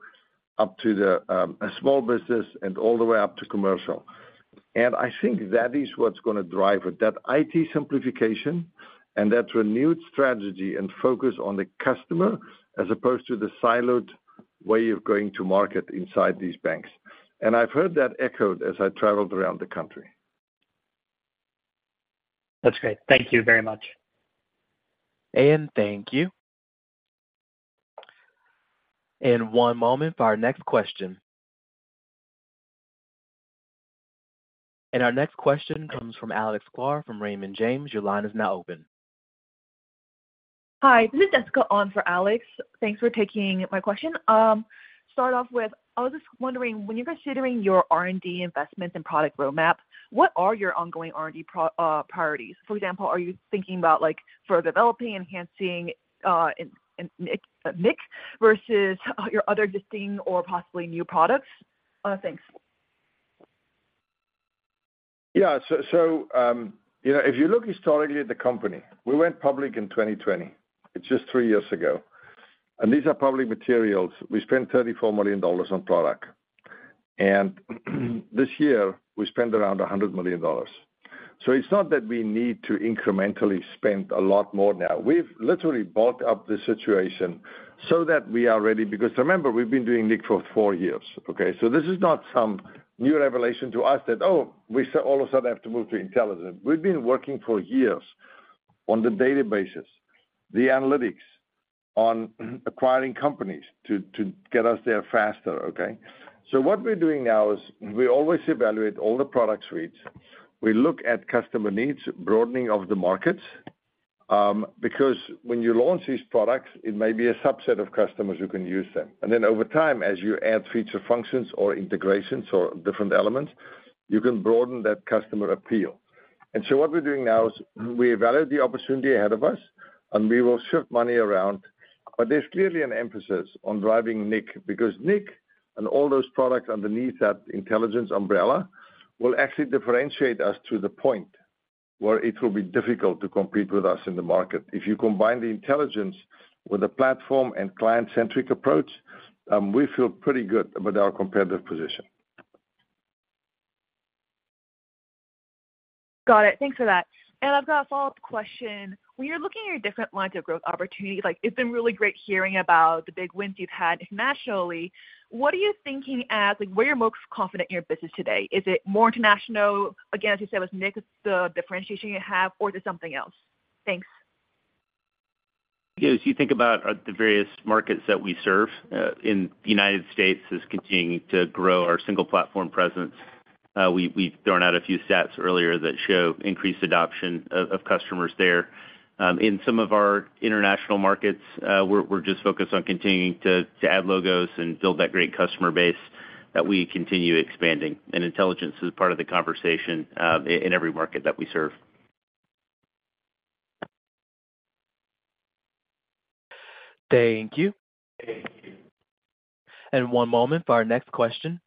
up to the a small business and all the way up to commercial. I think that is what's going to drive it, that IT simplification and that renewed strategy and focus on the customer, as opposed to the siloed way of going to market inside these banks. I've heard that echoed as I traveled around the country. That's great. Thank you very much. Thank you. One moment for our next question. Our next question comes from Alex Sklar from Raymond James. Your line is now open. Hi, this is Jessica on for Alex. Thanks for taking my question. Start off with, I was just wondering, when you're considering your R&D investments and product roadmap, what are your ongoing R&D priorities? For example, are you thinking about, like, further developing, enhancing, and nCino versus your other existing or possibly new products? Thanks. Yeah. So, you know, if you look historically at the company, we went public in 2020. It's just three years ago, and these are public materials. We spent $34 million on product, and this year we spent around $100 million. So it's not that we need to incrementally spend a lot more now. We've literally bulked up the situation so that we are ready, because remember, we've been doing nIQ for four years, okay? So this is not some new revelation to us that, oh, we all of a sudden have to move to intelligence. We've been working for years on the databases, the analytics, on acquiring companies to get us there faster, okay? So what we're doing now is we always evaluate all the product suites. We look at customer needs, broadening of the markets, because when you launch these products, it may be a subset of customers who can use them. And then over time, as you add feature functions or integrations or different elements, you can broaden that customer appeal. And so what we're doing now is we evaluate the opportunity ahead of us, and we will shift money around. But there's clearly an emphasis on driving nIQ, because nIQ and all those products underneath that intelligence umbrella will actually differentiate us to the point where it will be difficult to compete with us in the market. If you combine the intelligence with a platform and client-centric approach, we feel pretty good about our competitive position. Got it. Thanks for that. I've got a follow-up question. When you're looking at your different lines of growth opportunities, like it's been really great hearing about the big wins you've had internationally. What are you thinking as, like, where you're most confident in your business today? Is it more international? Again, as you said, with nCino, the differentiation you have, or is it something else? Thanks. Yeah. As you think about the various markets that we serve, in the United States is continuing to grow our single platform presence. We've thrown out a few stats earlier that show increased adoption of customers there. In some of our international markets, we're just focused on continuing to add logos and build that great customer base that we continue expanding. And intelligence is part of the conversation, in every market that we serve. Thank you. One moment for our next question.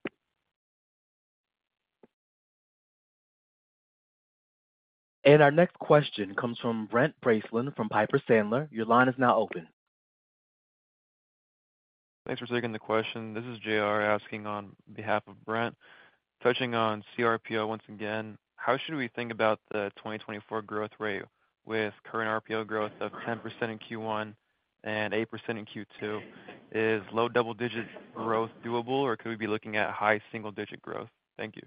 Our next question comes from Brent Bracelin from Piper Sandler. Your line is now open. Thanks for taking the question. This is J.R. asking on behalf of Brent. Touching on CRPO once again, how should we think about the 2024 growth rate with current RPO growth of 10% in Q1 and 8% in Q2? Is low double digit growth doable, or could we be looking at high single digit growth? Thank you.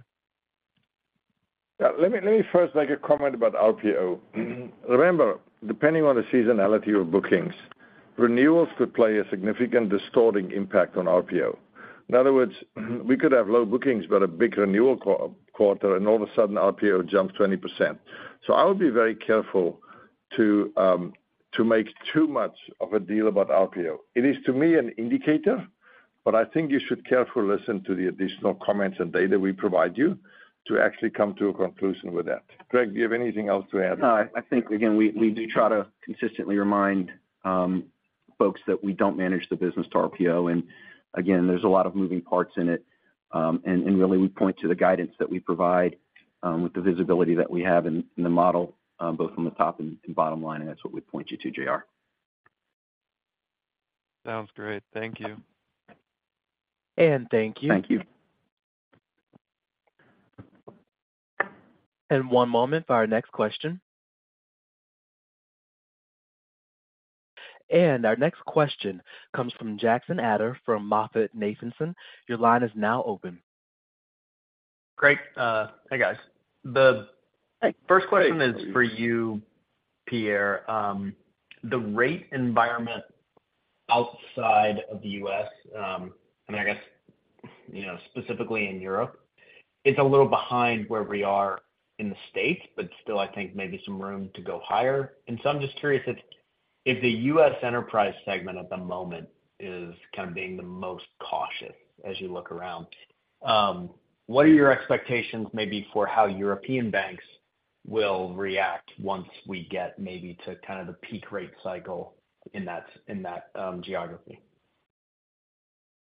Yeah, let me first make a comment about RPO. Remember, depending on the seasonality of bookings, renewals could play a significant distorting impact on RPO. In other words, we could have low bookings, but a big renewal quarter, and all of a sudden RPO jumps 20%. So I would be very careful to make too much of a deal about RPO. It is, to me, an indicator, but I think you should carefully listen to the additional comments and data we provide you to actually come to a conclusion with that. Greg, do you have anything else to add? No, I think, again, we do try to consistently remind folks that we don't manage the business to RPO. And again, there's a lot of moving parts in it. And really, we point to the guidance that we provide, with the visibility that we have in the model, both from the top and bottom line, and that's what we point you to, J.R. Sounds great. Thank you. Thank you. Thank you. One moment for our next question. Our next question comes from Jackson Ader from MoffettNathanson. Your line is now open. Great. Hi, guys. Hi. First question is for you, Pierre. The rate environment outside of the U.S., I mean, I guess, you know, specifically in Europe, it's a little behind where we are in the States, but still I think maybe some room to go higher. And so I'm just curious if, if the U.S. enterprise segment at the moment is kind of being the most cautious as you look around, what are your expectations maybe for how European banks will react once we get maybe to kind of the peak rate cycle in that, in that geography?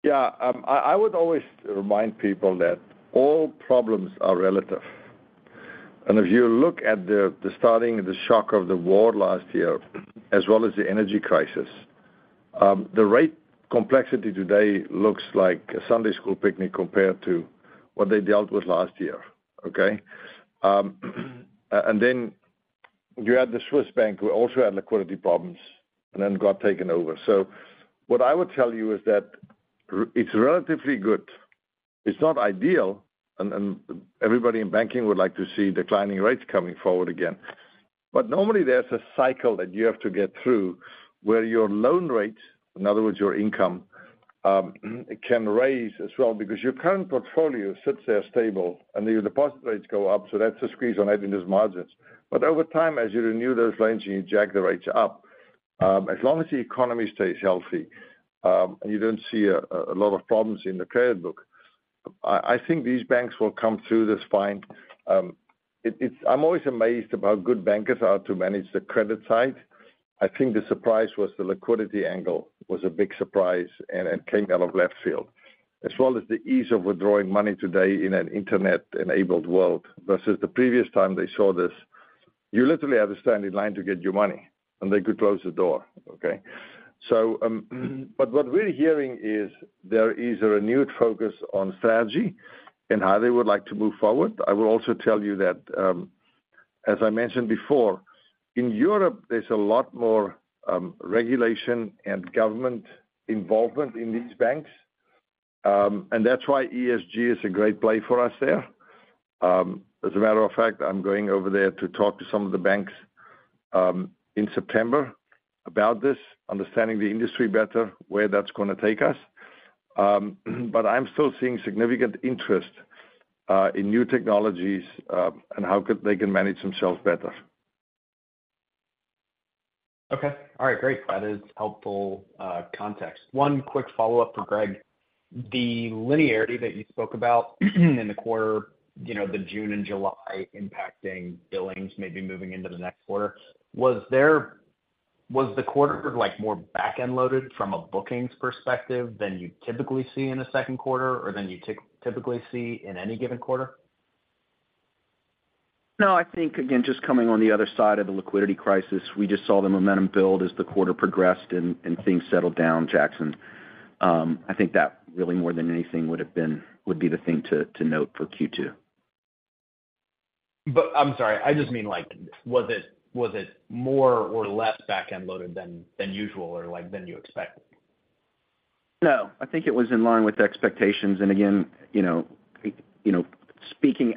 Yeah, I would always remind people that all problems are relative. If you look at the starting, the shock of the war last year, as well as the energy crisis, the rate complexity today looks like a Sunday school picnic compared to what they dealt with last year, okay? And then you had the Swiss bank, who also had liquidity problems and then got taken over. So what I would tell you is that it's relatively good. It's not ideal, and everybody in banking would like to see declining rates coming forward again. But normally, there's a cycle that you have to get through, where your loan rates, in other words, your income, can raise as well, because your current portfolio sits there stable and your deposit rates go up, so that's a squeeze on adding those margins. But over time, as you renew those loans and you jack the rates up, as long as the economy stays healthy, and you don't see a lot of problems in the credit book, I think these banks will come through this fine. It's. I'm always amazed about how good bankers are to manage the credit side. I think the surprise was the liquidity angle, was a big surprise and came out of left field, as well as the ease of withdrawing money today in an internet-enabled world versus the previous time they saw this. You literally had to stand in line to get your money, and they could close the door, okay? But what we're hearing is there is a renewed focus on strategy and how they would like to move forward. I will also tell you that, as I mentioned before, in Europe, there's a lot more, regulation and government involvement in these banks, and that's why ESG is a great play for us there. As a matter of fact, I'm going over there to talk to some of the banks, in September about this, understanding the industry better, where that's going to take us. But I'm still seeing significant interest, in new technologies, and they can manage themselves better. Okay. All right, great. That is helpful context. One quick follow-up for Greg. The linearity that you spoke about in the quarter, you know, the June and July impacting billings, maybe moving into the next quarter, was the quarter, like, more back-end loaded from a bookings perspective than you typically see in a second quarter, or than you typically see in any given quarter? No, I think, again, just coming on the other side of the liquidity crisis, we just saw the momentum build as the quarter progressed and things settled down, Jackson. I think that really, more than anything, would be the thing to note for Q2. But I'm sorry. I just mean, like, was it more or less back-end loaded than usual or, like, than you expected? No, I think it was in line with the expectations. And again, you know, you know, speaking,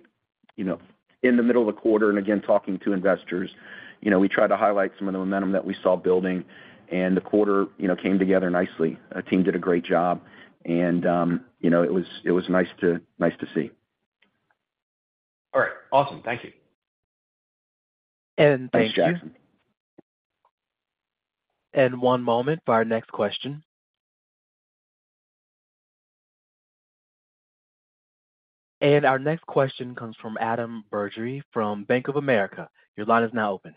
you know, in the middle of the quarter, and again, talking to investors, you know, we tried to highlight some of the momentum that we saw building, and the quarter, you know, came together nicely. Our team did a great job, and, you know, it was nice to see. All right. Awesome. Thank you. Thank you. Thanks, Jackson. One moment for our next question. Our next question comes from Adam Bergere from Bank of America. Your line is now open.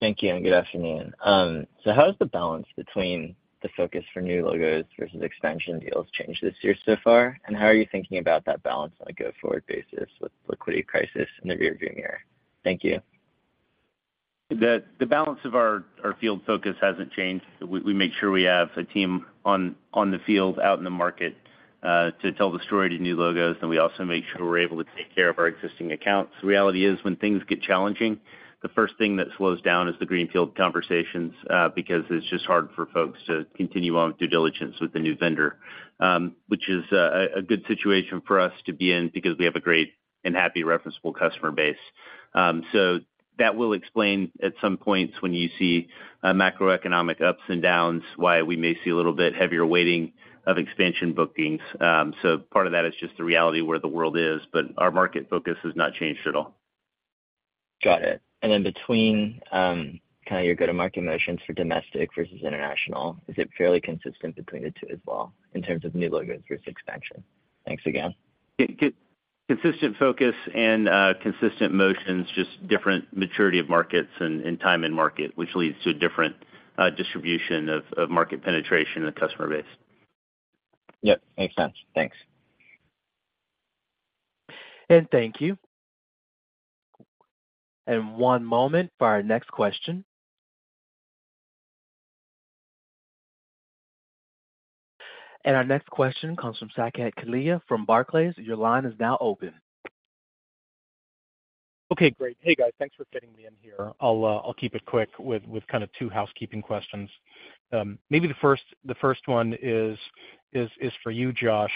Thank you, and good afternoon. So how has the balance between the focus for new logos versus expansion deals changed this year so far? And how are you thinking about that balance on a go-forward basis with liquidity crisis in the rear view mirror? Thank you. The balance of our field focus hasn't changed. We make sure we have a team on the field, out in the market, to tell the story to new logos, and we also make sure we're able to take care of our existing accounts. The reality is, when things get challenging, the first thing that slows down is the greenfield conversations, because it's just hard for folks to continue on with due diligence with the new vendor, which is a good situation for us to be in because we have a great and happy referenceable customer base. So that will explain, at some points, when you see macroeconomic ups and downs, why we may see a little bit heavier weighting of expansion bookings. So part of that is just the reality of where the world is, but our market focus has not changed at all. Got it. And then between, kind of your go-to-market motions for domestic versus international, is it fairly consistent between the two as well, in terms of new logos versus expansion? Thanks again. Consistent focus and consistent motions, just different maturity of markets and time in market, which leads to a different distribution of market penetration and customer base. Yep, makes sense. Thanks. Thank you. One moment for our next question. Our next question comes from Saket Kalia from Barclays. Your line is now open. Okay, great. Hey, guys, thanks for fitting me in here. I'll keep it quick with kind of two housekeeping questions. Maybe the first one is for you, Josh.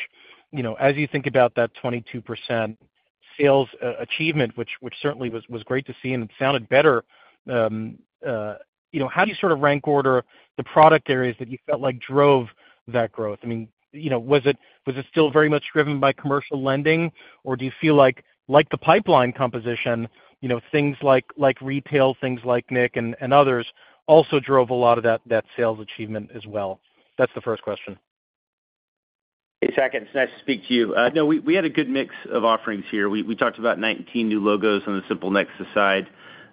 You know, as you think about that 22% sales achievement, which certainly was great to see and sounded better, you know, how do you sort of rank order the product areas that you felt like drove that growth? I mean, you know, was it still very much driven by commercial lending, or do you feel like the pipeline composition, you know, things like retail, things like NIC and others also drove a lot of that sales achievement as well? That's the first question. Hey, Saket, it's nice to speak to you. No, we had a good mix of offerings here. We talked about 19 new logos on the SimpleNexus side.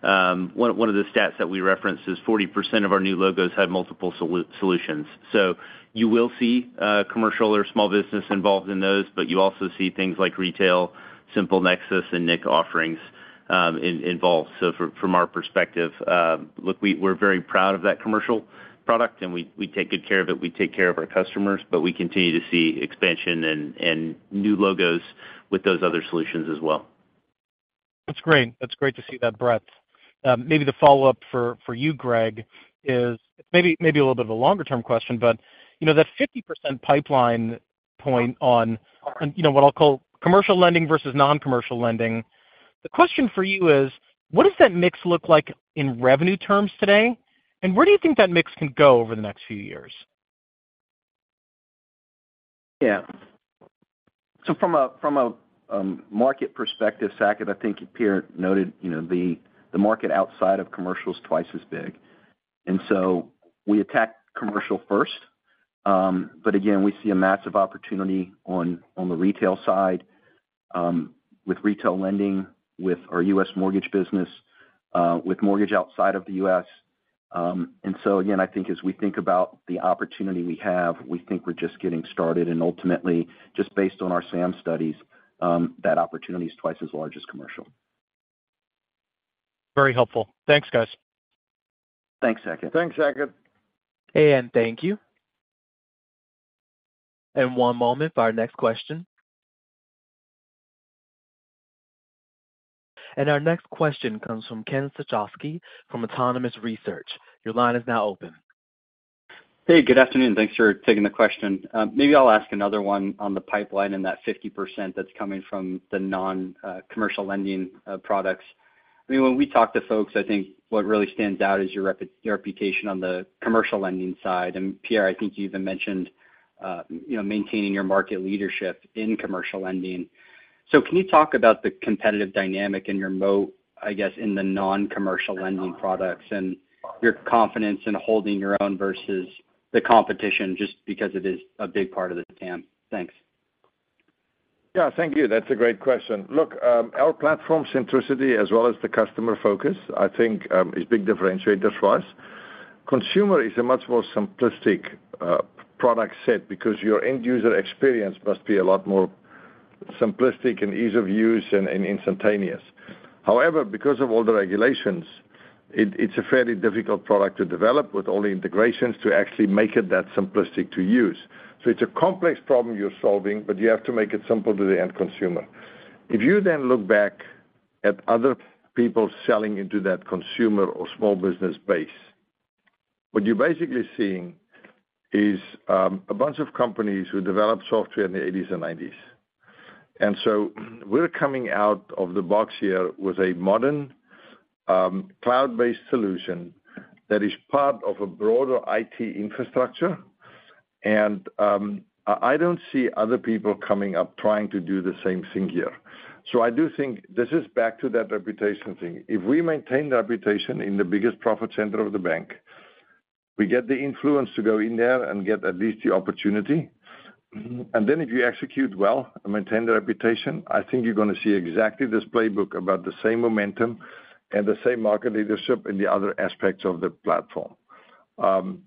One of the stats that we referenced is 40% of our new logos had multiple solutions. So you will see commercial or small business involved in those, but you also see things like retail, SimpleNexus, and nCino offerings involved. So from our perspective, look, we're very proud of that commercial product, and we take good care of it. We take care of our customers, but we continue to see expansion and new logos with those other solutions as well. That's great. That's great to see that breadth. Maybe the follow-up for you Greg, is maybe, maybe a little bit of a longer-term question, but you know, that 50% pipeline point on, you know, what I'll call commercial lending versus non-commercial lending. The question for you is: what does that mix look like in revenue terms today, and where do you think that mix can go over the next few years? Yeah. So from a market perspective, Saket, I think Pierre noted, you know, the market outside of commercial is twice as big. And so we attacked commercial first. But again, we see a massive opportunity on the retail side with retail lending, with our U.S. mortgage business with mortgage outside of the U.S. And so again, I think as we think about the opportunity we have, we think we're just getting started, and ultimately, just based on our SAM studies, that opportunity is twice as large as commercial. Very helpful. Thanks, guys. Thanks, Saket. Thanks, Saket. Thank you. One moment for our next question. Our next question comes from Ken Suchoski from Autonomous Research. Your line is now open. Hey, good afternoon. Thanks for taking the question. Maybe I'll ask another one on the pipeline and that 50% that's coming from the non-commercial lending products. I mean, when we talk to folks, I think what really stands out is your reputation on the commercial lending side. And Pierre, I think you even mentioned, you know, maintaining your market leadership in commercial lending. So can you talk about the competitive dynamic in your moat, I guess, in the non-commercial lending products and your confidence in holding your own versus the competition, just because it is a big part of the TAM? Thanks. Yeah, thank you. That's a great question. Look, our platform centricity as well as the customer focus, I think, is a big differentiator for us. Consumer is a much more simplistic product set because your end user experience must be a lot more simplistic and ease of use and instantaneous. However, because of all the regulations, it, it's a fairly difficult product to develop with all the integrations to actually make it that simplistic to use. So it's a complex problem you're solving, but you have to make it simple to the end consumer. If you then look back at other people selling into that consumer or small business base, what you're basically seeing is a bunch of companies who developed software in the eighties and nineties. And so we're coming out of the box here with a modern, cloud-based solution that is part of a broader IT infrastructure, and, I don't see other people coming up trying to do the same thing here. So I do think this is back to that reputation thing. If we maintain the reputation in the biggest profit center of the bank, we get the influence to go in there and get at least the opportunity. And then if you execute well and maintain the reputation, I think you're going to see exactly this playbook about the same momentum and the same market leadership in the other aspects of the platform. And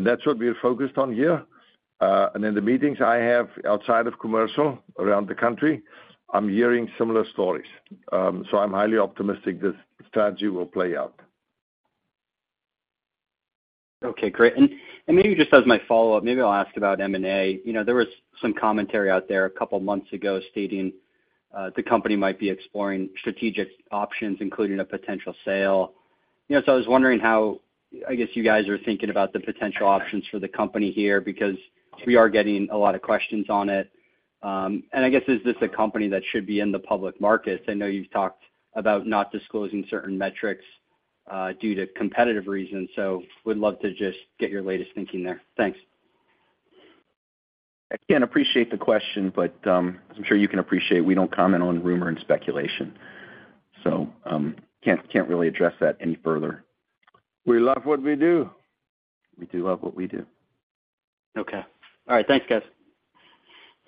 that's what we're focused on here. And in the meetings I have outside of commercial around the country, I'm hearing similar stories. So I'm highly optimistic this strategy will play out. Okay, great. And maybe just as my follow-up, maybe I'll ask about M&A. You know, there was some commentary out there a couple of months ago stating the company might be exploring strategic options, including a potential sale. You know, so I was wondering how, I guess, you guys are thinking about the potential options for the company here, because we are getting a lot of questions on it. And I guess, is this a company that should be in the public markets? I know you've talked about not disclosing certain metrics due to competitive reasons, so would love to just get your latest thinking there. Thanks. Again, appreciate the question, but, as I'm sure you can appreciate, we don't comment on rumor and speculation, so, can't really address that any further. We love what we do. We do love what we do. Okay. All right. Thanks, guys.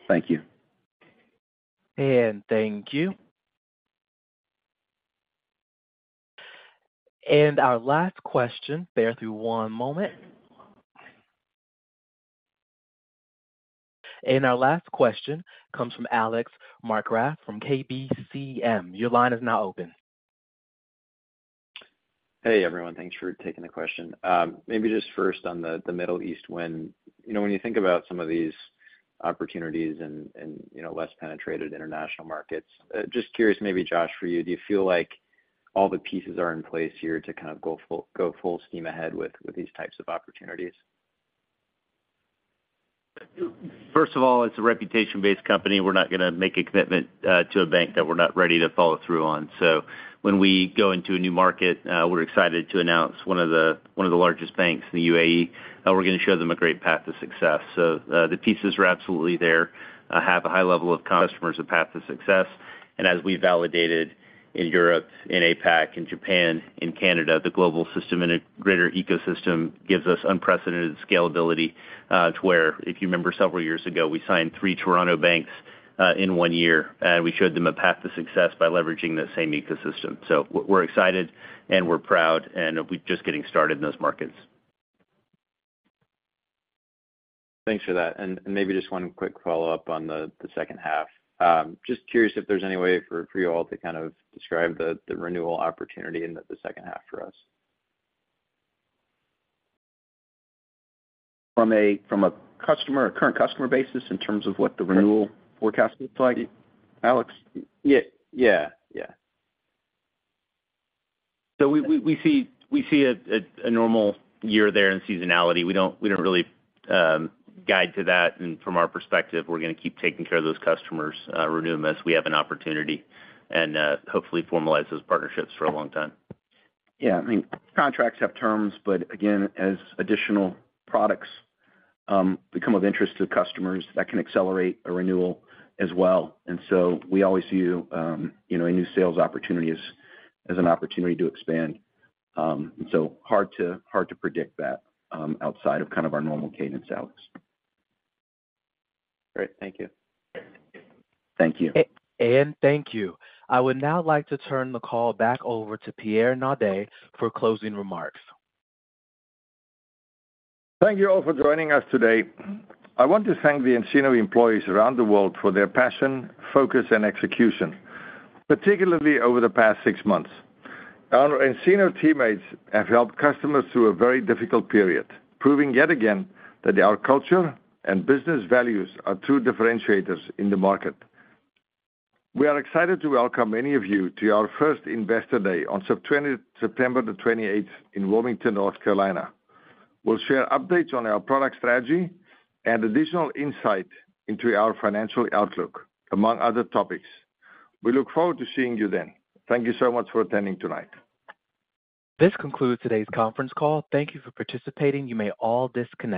Thank you. Thank you. Our last question, bear through one moment. Our last question comes from Alex Markgraff from KBCM. Your line is now open. Hey, everyone. Thanks for taking the question. Maybe just first on the Middle East win. You know, when you think about some of these opportunities and, you know, less penetrated international markets, just curious, maybe, Josh, for you, do you feel like all the pieces are in place here to kind of go full steam ahead with these types of opportunities? First of all, it's a reputation-based company. We're not going to make a commitment to a bank that we're not ready to follow through on. So when we go into a new market, we're excited to announce one of the largest banks in the UAE. We're going to show them a great path to success. So the pieces are absolutely there. I have a high level of customers, a path to success, and as we validated in Europe, in APAC, in Japan, in Canada, the global system in a greater ecosystem gives us unprecedented scalability to where, if you remember, several years ago, we signed three Toronto banks in one year, and we showed them a path to success by leveraging that same ecosystem. So we're excited, and we're proud, and we're just getting started in those markets. Thanks for that. And maybe just one quick follow-up on the second half. Just curious if there's any way for you all to kind of describe the renewal opportunity in the second half for us. From a current customer basis in terms of what the renewal forecast looks like, Alex? Yeah. So we see a normal year there in seasonality. We don't really guide to that, and from our perspective, we're going to keep taking care of those customers, renewing this. We have an opportunity and hopefully formalize those partnerships for a long time. Yeah, I mean, contracts have terms, but again, as additional products become of interest to customers, that can accelerate a renewal as well. And so we always view you know, a new sales opportunity as an opportunity to expand. And so hard to predict that outside of kind of our normal cadence, Alex. Great. Thank you. Thank you. And thank you. I would now like to turn the call back over to Pierre Naudé for closing remarks. Thank you all for joining us today. I want to thank the nCino employees around the world for their passion, focus, and execution, particularly over the past six months. Our nCino teammates have helped customers through a very difficult period, proving yet again that our culture and business values are true differentiators in the market. We are excited to welcome many of you to our first Investor Day on September the 28 in Wilmington, North Carolina. We'll share updates on our product strategy and additional insight into our financial outlook, among other topics. We look forward to seeing you then. Thank you so much for attending tonight. This concludes today's conference call. Thank you for participating. You may all disconnect.